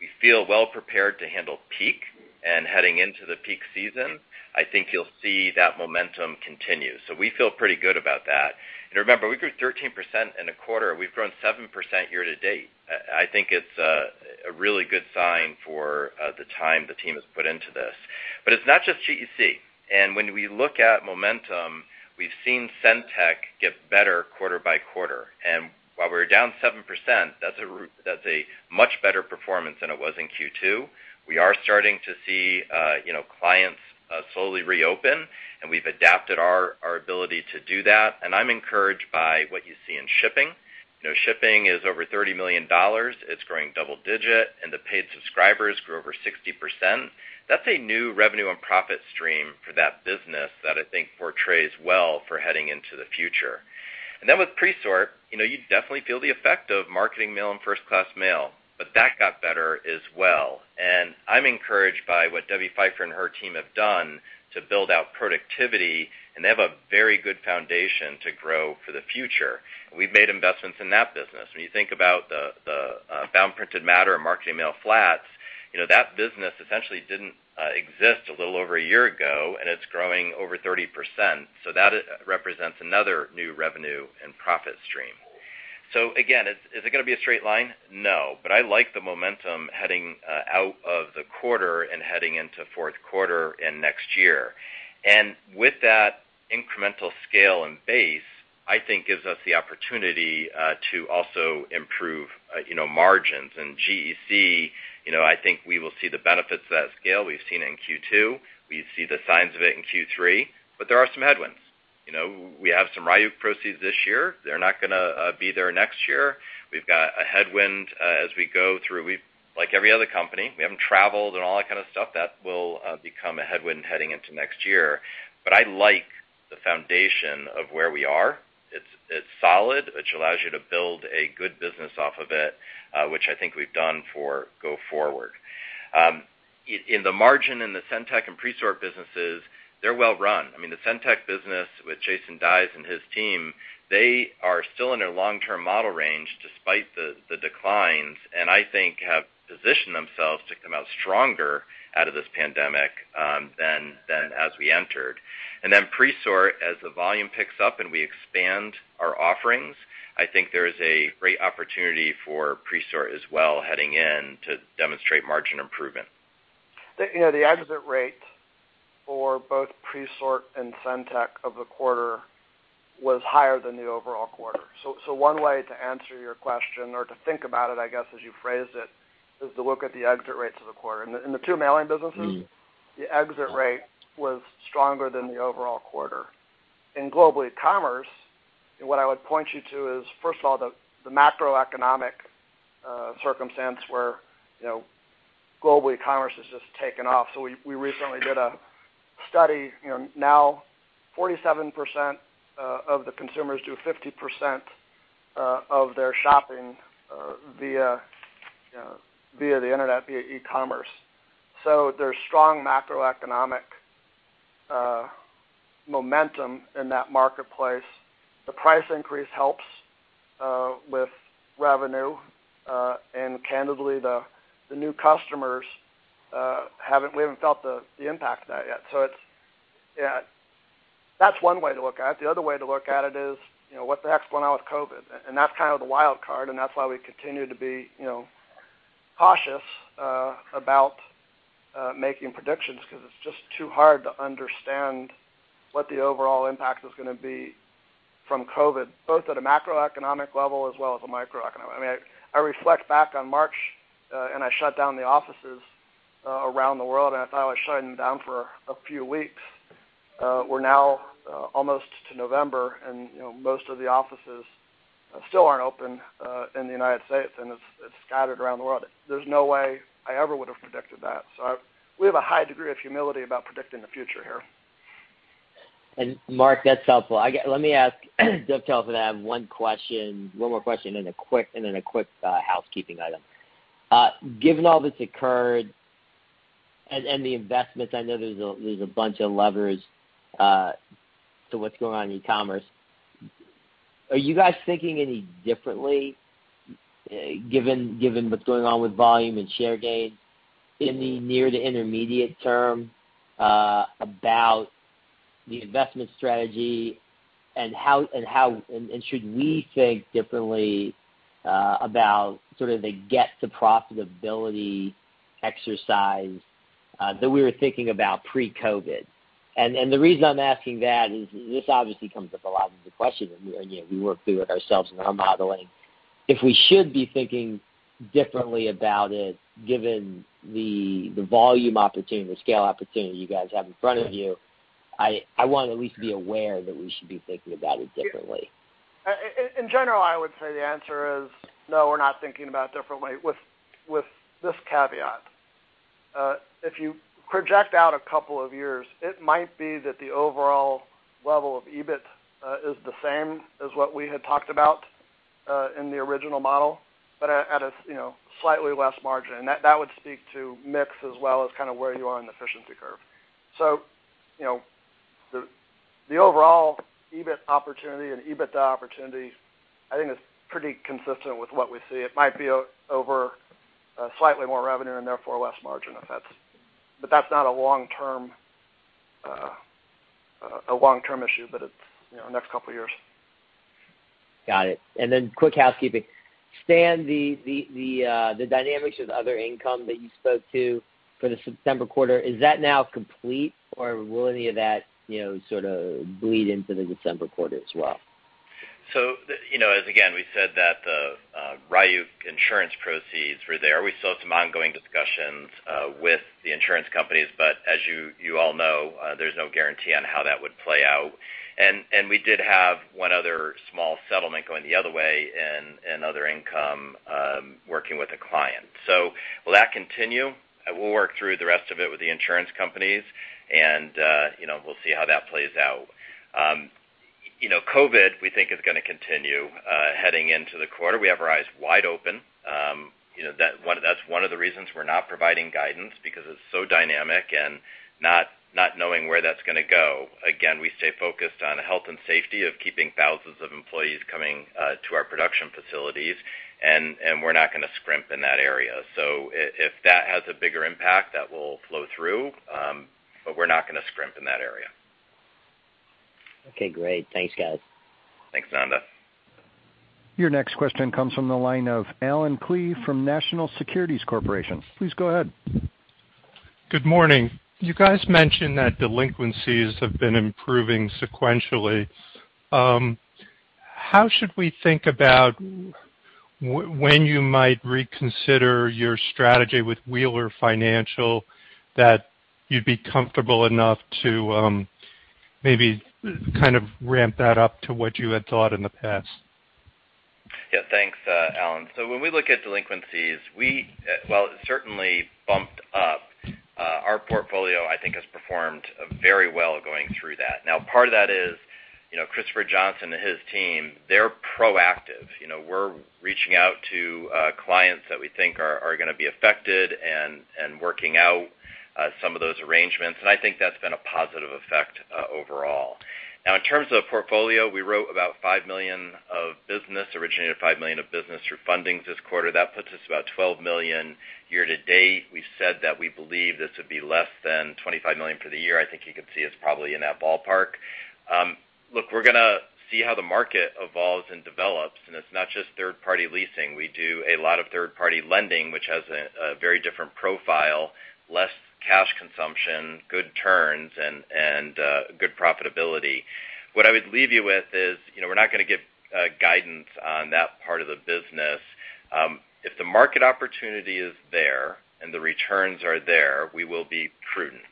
We feel well prepared to handle peak and heading into the peak season, I think you'll see that momentum continue. We feel pretty good about that. Remember, we grew 13% in a quarter. We've grown 7% year-to-date. I think it's a really good sign for the time the team has put into this. It's not just GEC. When we look at momentum, we've seen SendTech get better quarter-by-quarter. While we're down 7%, that's a much better performance than it was in Q2. We are starting to see clients slowly reopen, and we've adapted our ability to do that. I'm encouraged by what you see in shipping. Shipping is over $30 million. It's growing double-digit, and the paid subscribers grew over 60%. That's a new revenue and profit stream for that business that I think portrays well for heading into the future. With Presort, you definitely feel the effect of Marketing Mail and First-Class Mail, but that got better as well. I'm encouraged by what Debbie Pfeiffer and her team have done to build out productivity, and they have a very good foundation to grow for the future. We've made investments in that business. When you think about the Bound Printed Matter and Marketing Mail flats, that business essentially didn't exist a little over one year ago, and it's growing over 30%. That represents another new revenue and profit stream. Again, is it going to be a straight line? No, but I like the momentum heading out of the quarter and heading into the fourth quarter and next year. With that incremental scale and base, I think it gives us the opportunity to also improve margins. GEC, I think we will see the benefits of that scale. We've seen it in Q2. We see the signs of it in Q3, but there are some headwinds. We have some Ryuk proceeds this year. They're not going to be there next year. We've got a headwind as we go through. Like every other company, we haven't traveled and all that kind of stuff. That will become a headwind heading into next year. I like the foundation of where we are. It's solid, which allows you to build a good business off of it, which I think we've done for go forward. In the margin in the SendTech and Presort businesses, they're well-run. The SendTech business with Jason Dies and his team is still in their long-term model range despite the declines, and I think they have positioned themselves to come out stronger out of this pandemic than when we entered. Presort, as the volume picks up and we expand our offerings, I think there is a great opportunity for Presort as well, heading into demonstrating margin improvement. The exit rate for both Presort and SendTech of the quarter was higher than the overall quarter. One way to answer your question or to think about it, I guess, as you phrased it, is to look at the exit rates of the quarter. In the two mailing businesses, the exit rate was stronger than the overall quarter. In Global Ecommerce, what I would point you to is, first of all, the macroeconomic circumstances where Global Ecommerce has just taken off. We recently did a study. Now, 47% of consumers do 50% of their shopping via the internet, via e-commerce. There's strong macroeconomic momentum in that marketplace. The price increase helps with revenue. Candidly, the new customers, we haven't felt the impact of that yet. That's one way to look at it. The other way to look at it is, what the heck's going on with COVID? That's kind of the wild card, and that's why we continue to be cautious about making predictions, because it's just too hard to understand what the overall impact is going to be from COVID, both at a macroeconomic level as well as a microeconomic level. I reflect back on March, and I shut down the offices around the world, and I thought I was shutting them down for a few weeks. We're now almost to November, and most of the offices still aren't open in the United States, and it's scattered around the world. There's no way I ever would have predicted that. We have a high degree of humility about predicting the future here. Marc, that's helpful. Let me dovetail that one more question and then a quick housekeeping item. Given all that's occurred and the investments, I know there's a bunch of levers to what's going on in Ecommerce. Are you guys thinking any differently, given what's going on with volume and share gains in the near to intermediate term, about the investment strategy, and should we think differently about sort of the get to profitability exercise that we were thinking about pre-COVID? The reason I'm asking that is that this obviously comes up a lot with the question, and we work through it ourselves in our modeling. If we should be thinking differently about it, given the volume opportunity, the scale opportunity you guys have in front of you, I want to at least be aware that we should be thinking about it differently. In general, I would say the answer is no, we're not thinking about it differently with this caveat. If you project out a couple of years, it might be that the overall level of EBIT is the same as what we had talked about in the original model, but at a slightly less margin. That would speak to the mix as well as kind of where you are in the efficiency curve. The overall EBIT opportunity and EBITDA opportunity, I think, are pretty consistent with what we see. It might be over slightly more revenue and therefore less margin, but that's not a long-term issue; it's the next couple of years. Got it. Quick housekeeping. Stan, the dynamics with other income that you spoke to for the September quarter, is that now complete, or will any of that sort of bleed into the December quarter as well? As we said again, the Ryuk insurance proceeds were there. We still have some ongoing discussions with the insurance companies, but as you all know, there's no guarantee on how that would play out. We did have one other small settlement going the other way in other income, working with a client. Will that continue? We'll work through the rest of it with the insurance companies, and we'll see how that plays out. COVID, we think, is going to continue heading into the quarter. We have our eyes wide open. That's one of the reasons we're not providing guidance, because it's so dynamic and not knowing where that's going to go. Again, we stay focused on the health and safety of keeping thousands of employees coming to our production facilities, and we're not going to scrimp in that area. If that has a bigger impact, that will flow through, but we're not going to scrimp in that area. Okay, great. Thanks, guys. Thanks, Ananda. Your next question comes from the line of Allen Klee from National Securities Corporation. Please go ahead. Good morning. You guys mentioned that delinquencies have been improving sequentially. How should we think about when you might reconsider your strategy with Wheeler Financial, that you'd be comfortable enough to maybe kind of ramp that up to what you had thought in the past? Thanks, Allen. When we look at delinquencies, while it certainly bumped up, our portfolio, I think, has performed very well going through that. Part of that is Christopher Johnson and his team; they're proactive. We're reaching out to clients that we think are going to be affected and working out some of those arrangements. I think that's been a positive effect overall. In terms of portfolio, we wrote about $5 million of business, and originated $5 million of business through funding this quarter. That puts us about $12 million year to date. We said that we believe this would be less than $25 million for the year. I think you could see us probably in that ballpark. Look, we're going to see how the market evolves and develops; it's not just third-party leasing. We do a lot of third-party lending, which has a very different profile, less cash consumption, good turns, and good profitability. What I would leave you with is we're not going to give guidance on that part of the business. If the market opportunity is there and the returns are there, we will be prudent.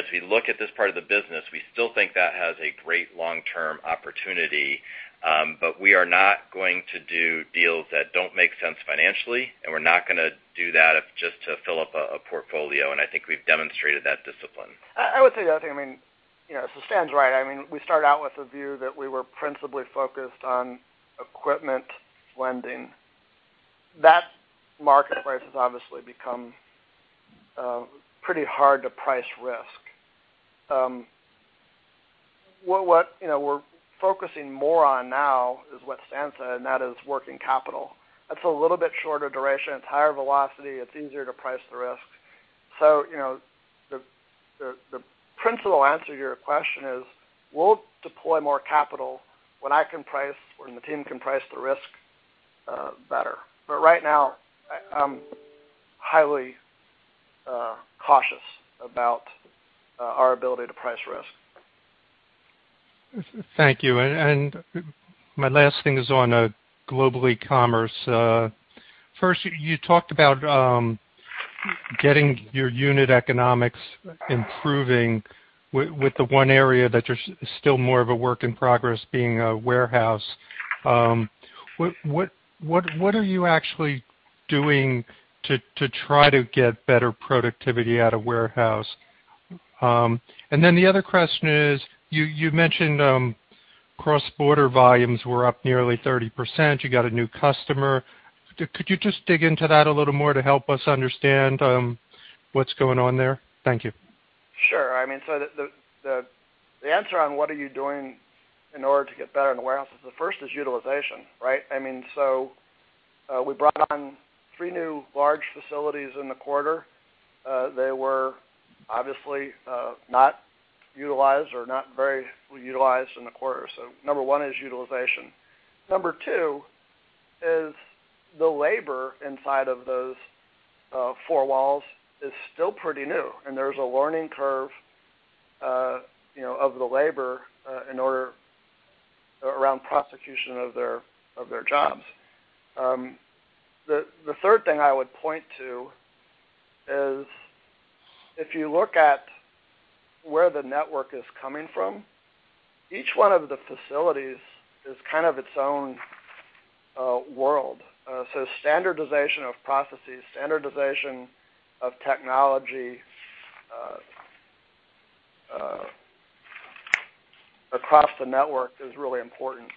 As we look at this part of the business, we still think that it has a great long-term opportunity. We are not going to do deals that don't make sense financially, and we're not going to do that just to fill up a portfolio, and I think we've demonstrated that discipline. I would say the same thing. Stan's right. We started out with a view that we were principally focused on equipment lending. That marketplace has obviously become pretty hard to price risk. What we're focusing more on now is what Stan said, and that is working capital. That's a little bit shorter duration. It's higher velocity. It's easier to price the risk. The principal answer to your question is that we'll deploy more capital when I can price, when the team can price the risk better. Right now, I'm highly cautious about our ability to price risk. Thank you. My last thing is on Global Ecommerce. First, you talked about getting your unit economics improved with the one area that is still more of a work in progress, being a warehouse. What are you actually doing to try to get better productivity out of the warehouse? Then the other question is, you mentioned Cross-Border volumes were up nearly 30%. You got a new customer. Could you just dig into that a little more to help us understand what's going on there? Thank you. Sure. The answer to what you are doing in order to get better in the warehouse is the first is utilization. Right? We brought on three new large facilities in the quarter. They were obviously not utilized or not very utilized in the quarter. Number one is utilization. Number two is that the labor inside of those four walls is still pretty new, and there's a learning curve of the labor around the prosecution of their jobs. The third thing I would point to is if you look at where the network is coming from, each one of the facilities is kind of its own world. Standardization of processes and standardization of technology across the network is really important.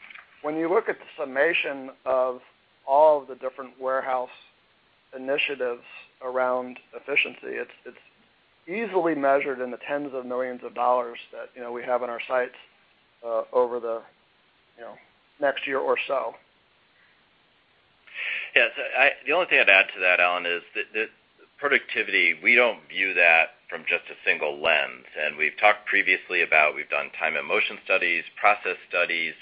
When you look at the summation of all of the different warehouse initiatives around efficiency, it's easily measured in the tens of millions of dollars that we have in our sites over the next year or so. Yes. The only thing I'd add to that, Allen, is that productivity, we don't view that from just a single lens. We've talked previously about, we've done time and motion studies, process studies.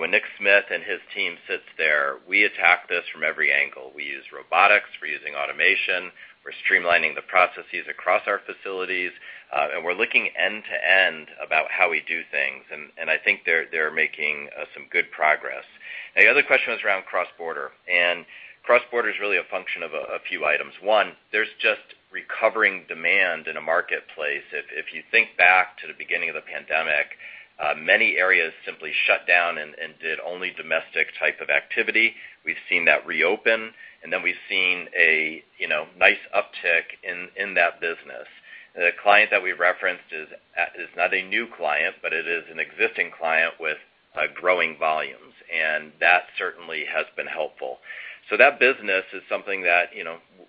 When Nick Smith and his team sits there, we attack this from every angle. We use robotics, we're using automation, we're streamlining the processes across our facilities, and we're looking end-to-end about how we do things. I think they're making some good progress. Now, the other question was around Cross-Border, and Cross-Border is really a function of a few items. One, there's just recovering demand in a marketplace. If you think back to the beginning of the pandemic, many areas simply shut down and did only domestic-type activity. We've seen that reopen, and then we've seen a nice uptick in that business. The client that we referenced is not a new client, but it is an existing client with growing volumes, and that certainly has been helpful. That business is something that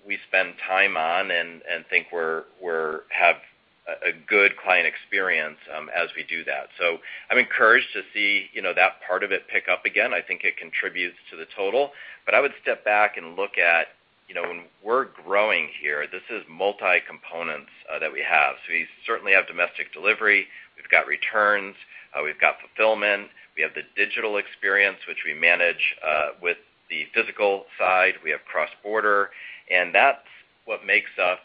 we spend time on and think we have a good client experience as we do that. I'm encouraged to see that part of it pick up again. I think it contributes to the total. I would step back and look at when we're growing here, this is multi-components that we have. We certainly have domestic delivery, we've got returns, we've got fulfillment, we have the digital experience, which we manage with the physical side, we have Cross-Border, and that's what makes up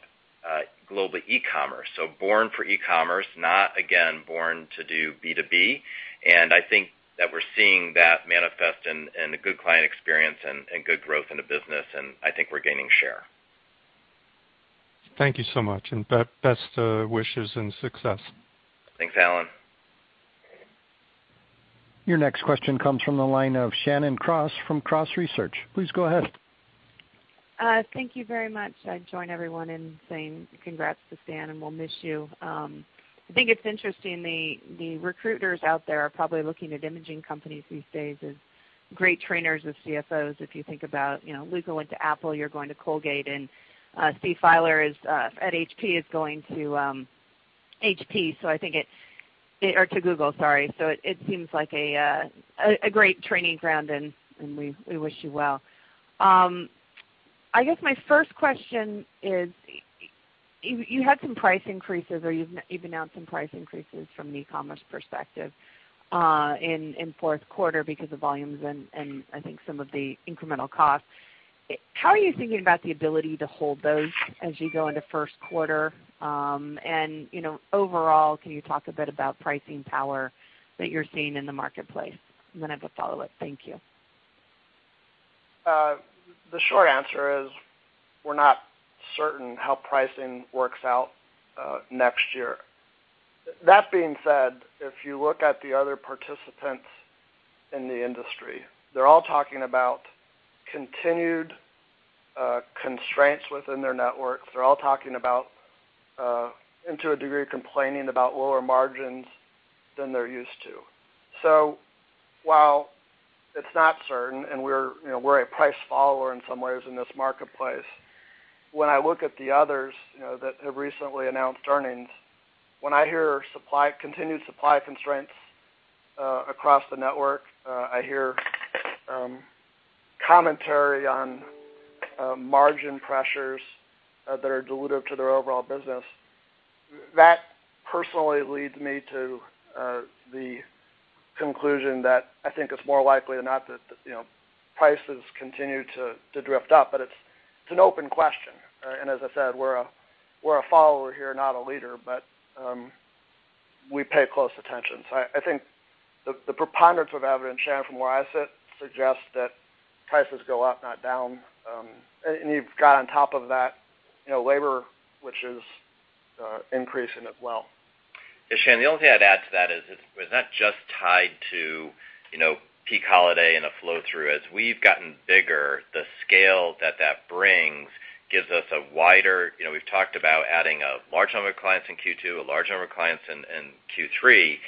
Global Ecommerce. Born for e-commerce, not again, born to do B2B, and I think that we're seeing that manifest in a good client experience and good growth in the business, and I think we're gaining share. Thank you so much, and best wishes and success. Thanks, Allen. Your next question comes from the line of Shannon Cross from Cross Research. Please go ahead. Thank you very much. I join everyone in saying congrats to Stan, and we'll miss you. I think it's interesting that the recruiters out there are probably looking at imaging companies these days as great trainers of CFOs. If you think about Luca went to Apple, you're going to Colgate, and Steve Fieler at HP is going to HP, or to Google, sorry. It seems like a great training ground, and we wish you well. I guess my first question is, you had some price increases, or you've announced some price increases from an e-commerce perspective in the fourth quarter because of volumes, and I think some of the incremental costs. How are you thinking about the ability to hold those as you go into the first quarter? Overall, can you talk a bit about the pricing power that you're seeing in the marketplace? Then I have a follow-up. Thank you. The short answer is we're not certain how pricing works out next year. That being said, if you look at the other participants in the industry, they're all talking about continued constraints within their networks. They're all talking about, and to a degree, complaining about lower margins than they're used to. While it's not certain, and we're a price follower in some ways in this marketplace, when I look at the others that have recently announced earnings, when I hear continued supply constraints across the network, I hear commentary on margin pressures that are dilutive to their overall business. That personally leads me to the conclusion that I think it's more likely than not that prices continue to drift up, but it's an open question. As I said, we're a follower here, not a leader, but we pay close attention. I think the preponderance of evidence, Shannon, from where I sit, suggests that prices go up, not down. You've got on top of that labor, which is increasing as well. Yeah, Shannon, the only thing I'd add to that is it's not just tied to peak holiday and a flow-through. As we've gotten bigger, the scale that that brings gives us a we've talked about adding a large number of clients in Q2, a large number of clients in Q3,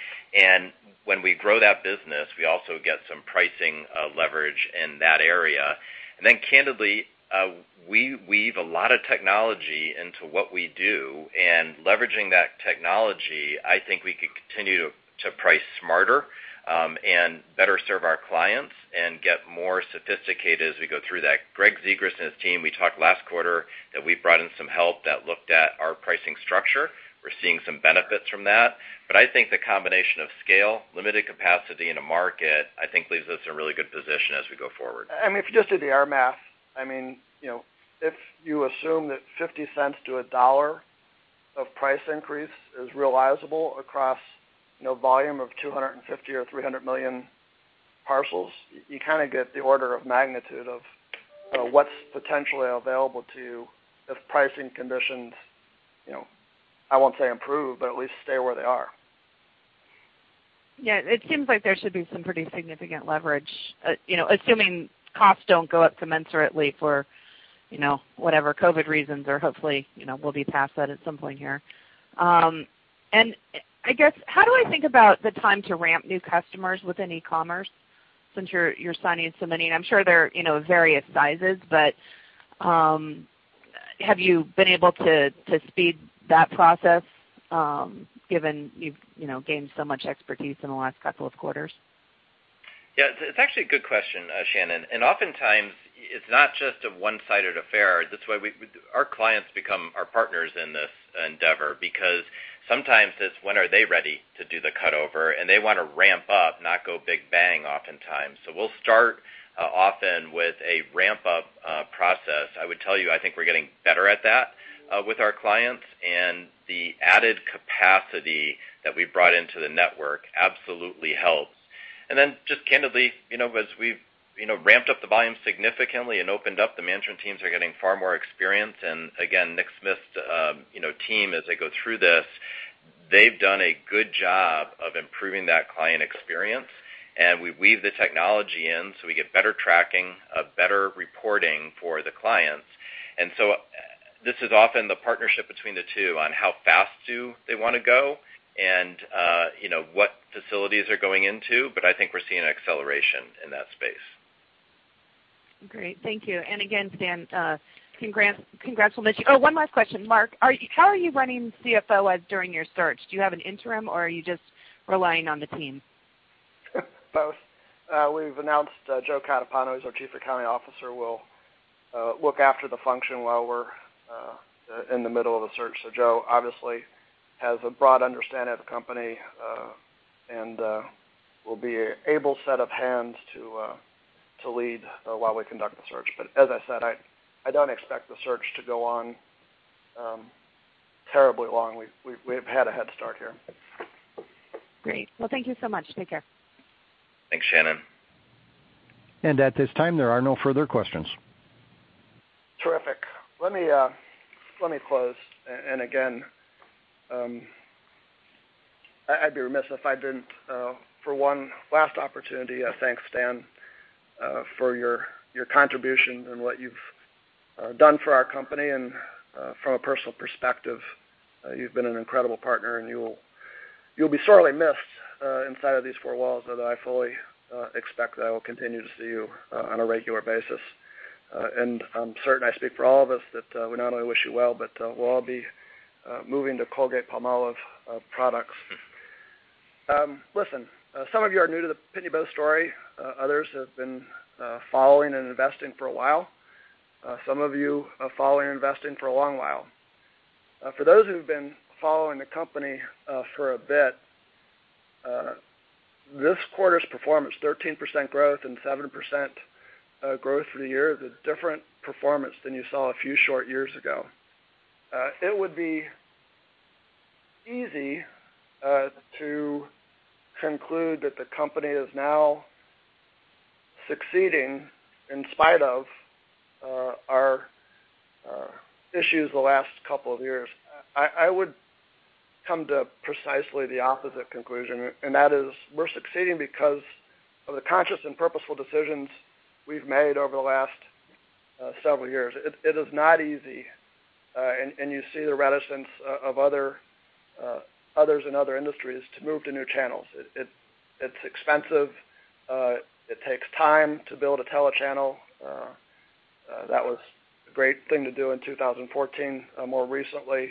and when we grow that business, we also get some pricing leverage in that area. Candidly, we weave a lot of technology into what we do, and leveraging that technology, I think we could continue to price smarter and better serve our clients and get more sophisticated as we go through that. Gregg Zegras and his team we talked last quarter that we brought in some help that looked at our pricing structure. We're seeing some benefits from that. I think the combination of scale and limited capacity in a market, I think leaves us in a really good position as we go forward. If you just did our math. If you assume that $0.50-$1 of price increase is realizable across volume of 250 or 300 million parcels, you kind of get the order of magnitude of what's potentially available to you if pricing conditions, I won't say improve, but at least stay where they are. Yeah. It seems like there should be some pretty significant leverage, assuming costs don't go up commensurately for whatever COVID reasons, or hopefully, we'll be past that at some point here. I guess, how do I think about the time to ramp new customers within Ecommerce since you're signing so many? I'm sure they're various sizes, but have you been able to speed that process, given you've gained so much expertise in the last couple of quarters? It's actually a good question, Shannon. Oftentimes, it's not just a one-sided affair. That's why our clients become our partners in this endeavor, because sometimes it's when they are ready to do the cut-over, and they want to ramp up, not go big-bang, oftentimes. We'll often start with a ramp-up process. I would tell you, I think we're getting better at that with our clients, and the added capacity that we brought into the network absolutely helps. Just candidly, as we've ramped up the volume significantly and opened up, the management teams are getting far more experience. Again, Nick Smith's team, as they go through this, has done a good job of improving that client experience. We weave the technology in so we get better tracking, better reporting for the clients. This is often the partnership between the two on how fast do they want to go and what facilities they're going into. I think we're seeing an acceleration in that space. Great. Thank you. Again, Stan, congratulations. One last question. Marc, how are you running the CFO during your search? Do you have an interim, or are you just relying on the team? Both. We've announced Joe Catapano is our Chief Accounting Officer, who will look after the function while we're in the middle of a search. Joe obviously has a broad understanding of the company and will be an able set of hands to lead while we conduct the search. As I said, I don't expect the search to go on terribly long. We've had a head start here. Great. Well, thank you so much. Take care. Thanks, Shannon. At this time, there are no further questions. Terrific. Let me close. Again, I'd be remiss if I didn't, for one last opportunity, thank Stan for your contribution and what you've done for our company, and from a personal perspective, you've been an incredible partner, and you'll be sorely missed inside of these four walls, but I fully expect that I will continue to see you on a regular basis. I'm certain I speak for all of us that we not only wish you well, but we'll all be moving to Colgate-Palmolive products. Listen, some of you are new to the Pitney Bowes story. Others have been following and investing for a while. Some of you have been following and investing for a long while. For those who've been following the company for a bit, this quarter's performance, 13% growth and 7% growth for the year, is a different performance than you saw a few short years ago. It would be easy to conclude that the company is now succeeding in spite of our issues over the last couple of years. I would come to precisely the opposite conclusion, and that is, we're succeeding because of the conscious and purposeful decisions we've made over the last several years. It is not easy, you see the reticence of others in other industries to move to new channels. It's expensive. It takes time to build a tele channel. That was a great thing to do in 2014. More recently,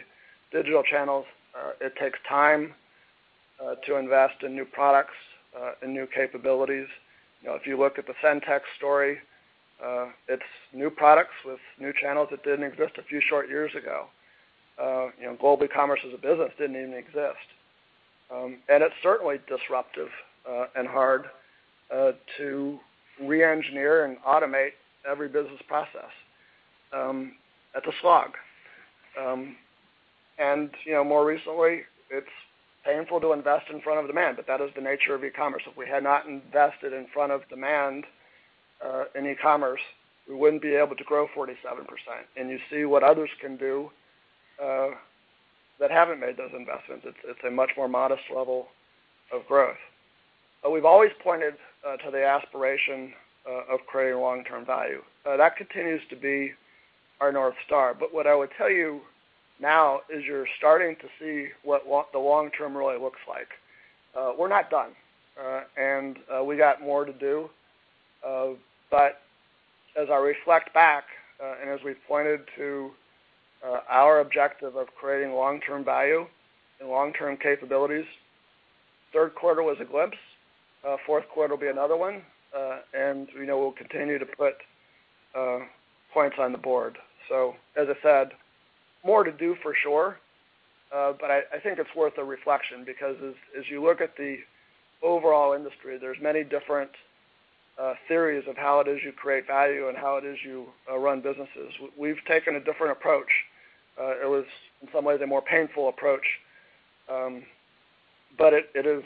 digital channels it takes time to invest in new products, in new capabilities. If you look at the SendTech story, it's new products with new channels that didn't exist a few short years ago. Global Ecommerce as a business didn't even exist. It's certainly disruptive and hard to re-engineer and automate every business process. It's a slog. More recently, it's painful to invest in front of demand, but that is the nature of e-commerce. If we had not invested in front of demand in e-commerce, we wouldn't be able to grow 47%. You see what others can do that haven't made those investments. It's a much more modest level of growth. We've always pointed to the aspiration of creating long-term value. That continues to be our North Star. What I would tell you now is you're starting to see what the long term really looks like. We're not done, and we've got more to do. As I reflect back, and as we pointed to our objective of creating long-term value and long-term capabilities, third quarter was a glimpse. Fourth quarter will be another one. We know we'll continue to put points on the board. As I said, more to do for sure. I think it's worth a reflection because, as you look at the overall industry, there are many different theories of how it is you create value and how it is you run businesses. We've taken a different approach. It was in some ways a more painful approach, but it is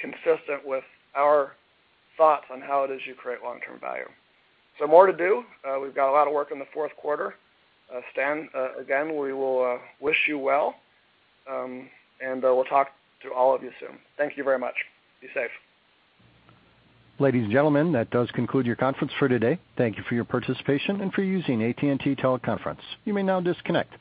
consistent with our thoughts on how it is you create long-term value. More to do. We've got a lot of work in the fourth quarter. Stan, again, we will wish you well, and we'll talk to all of you soon. Thank you very much. Be safe. Ladies and gentlemen, that does conclude your conference for today. Thank you for your participation and for using AT&T teleconference. You may now disconnect.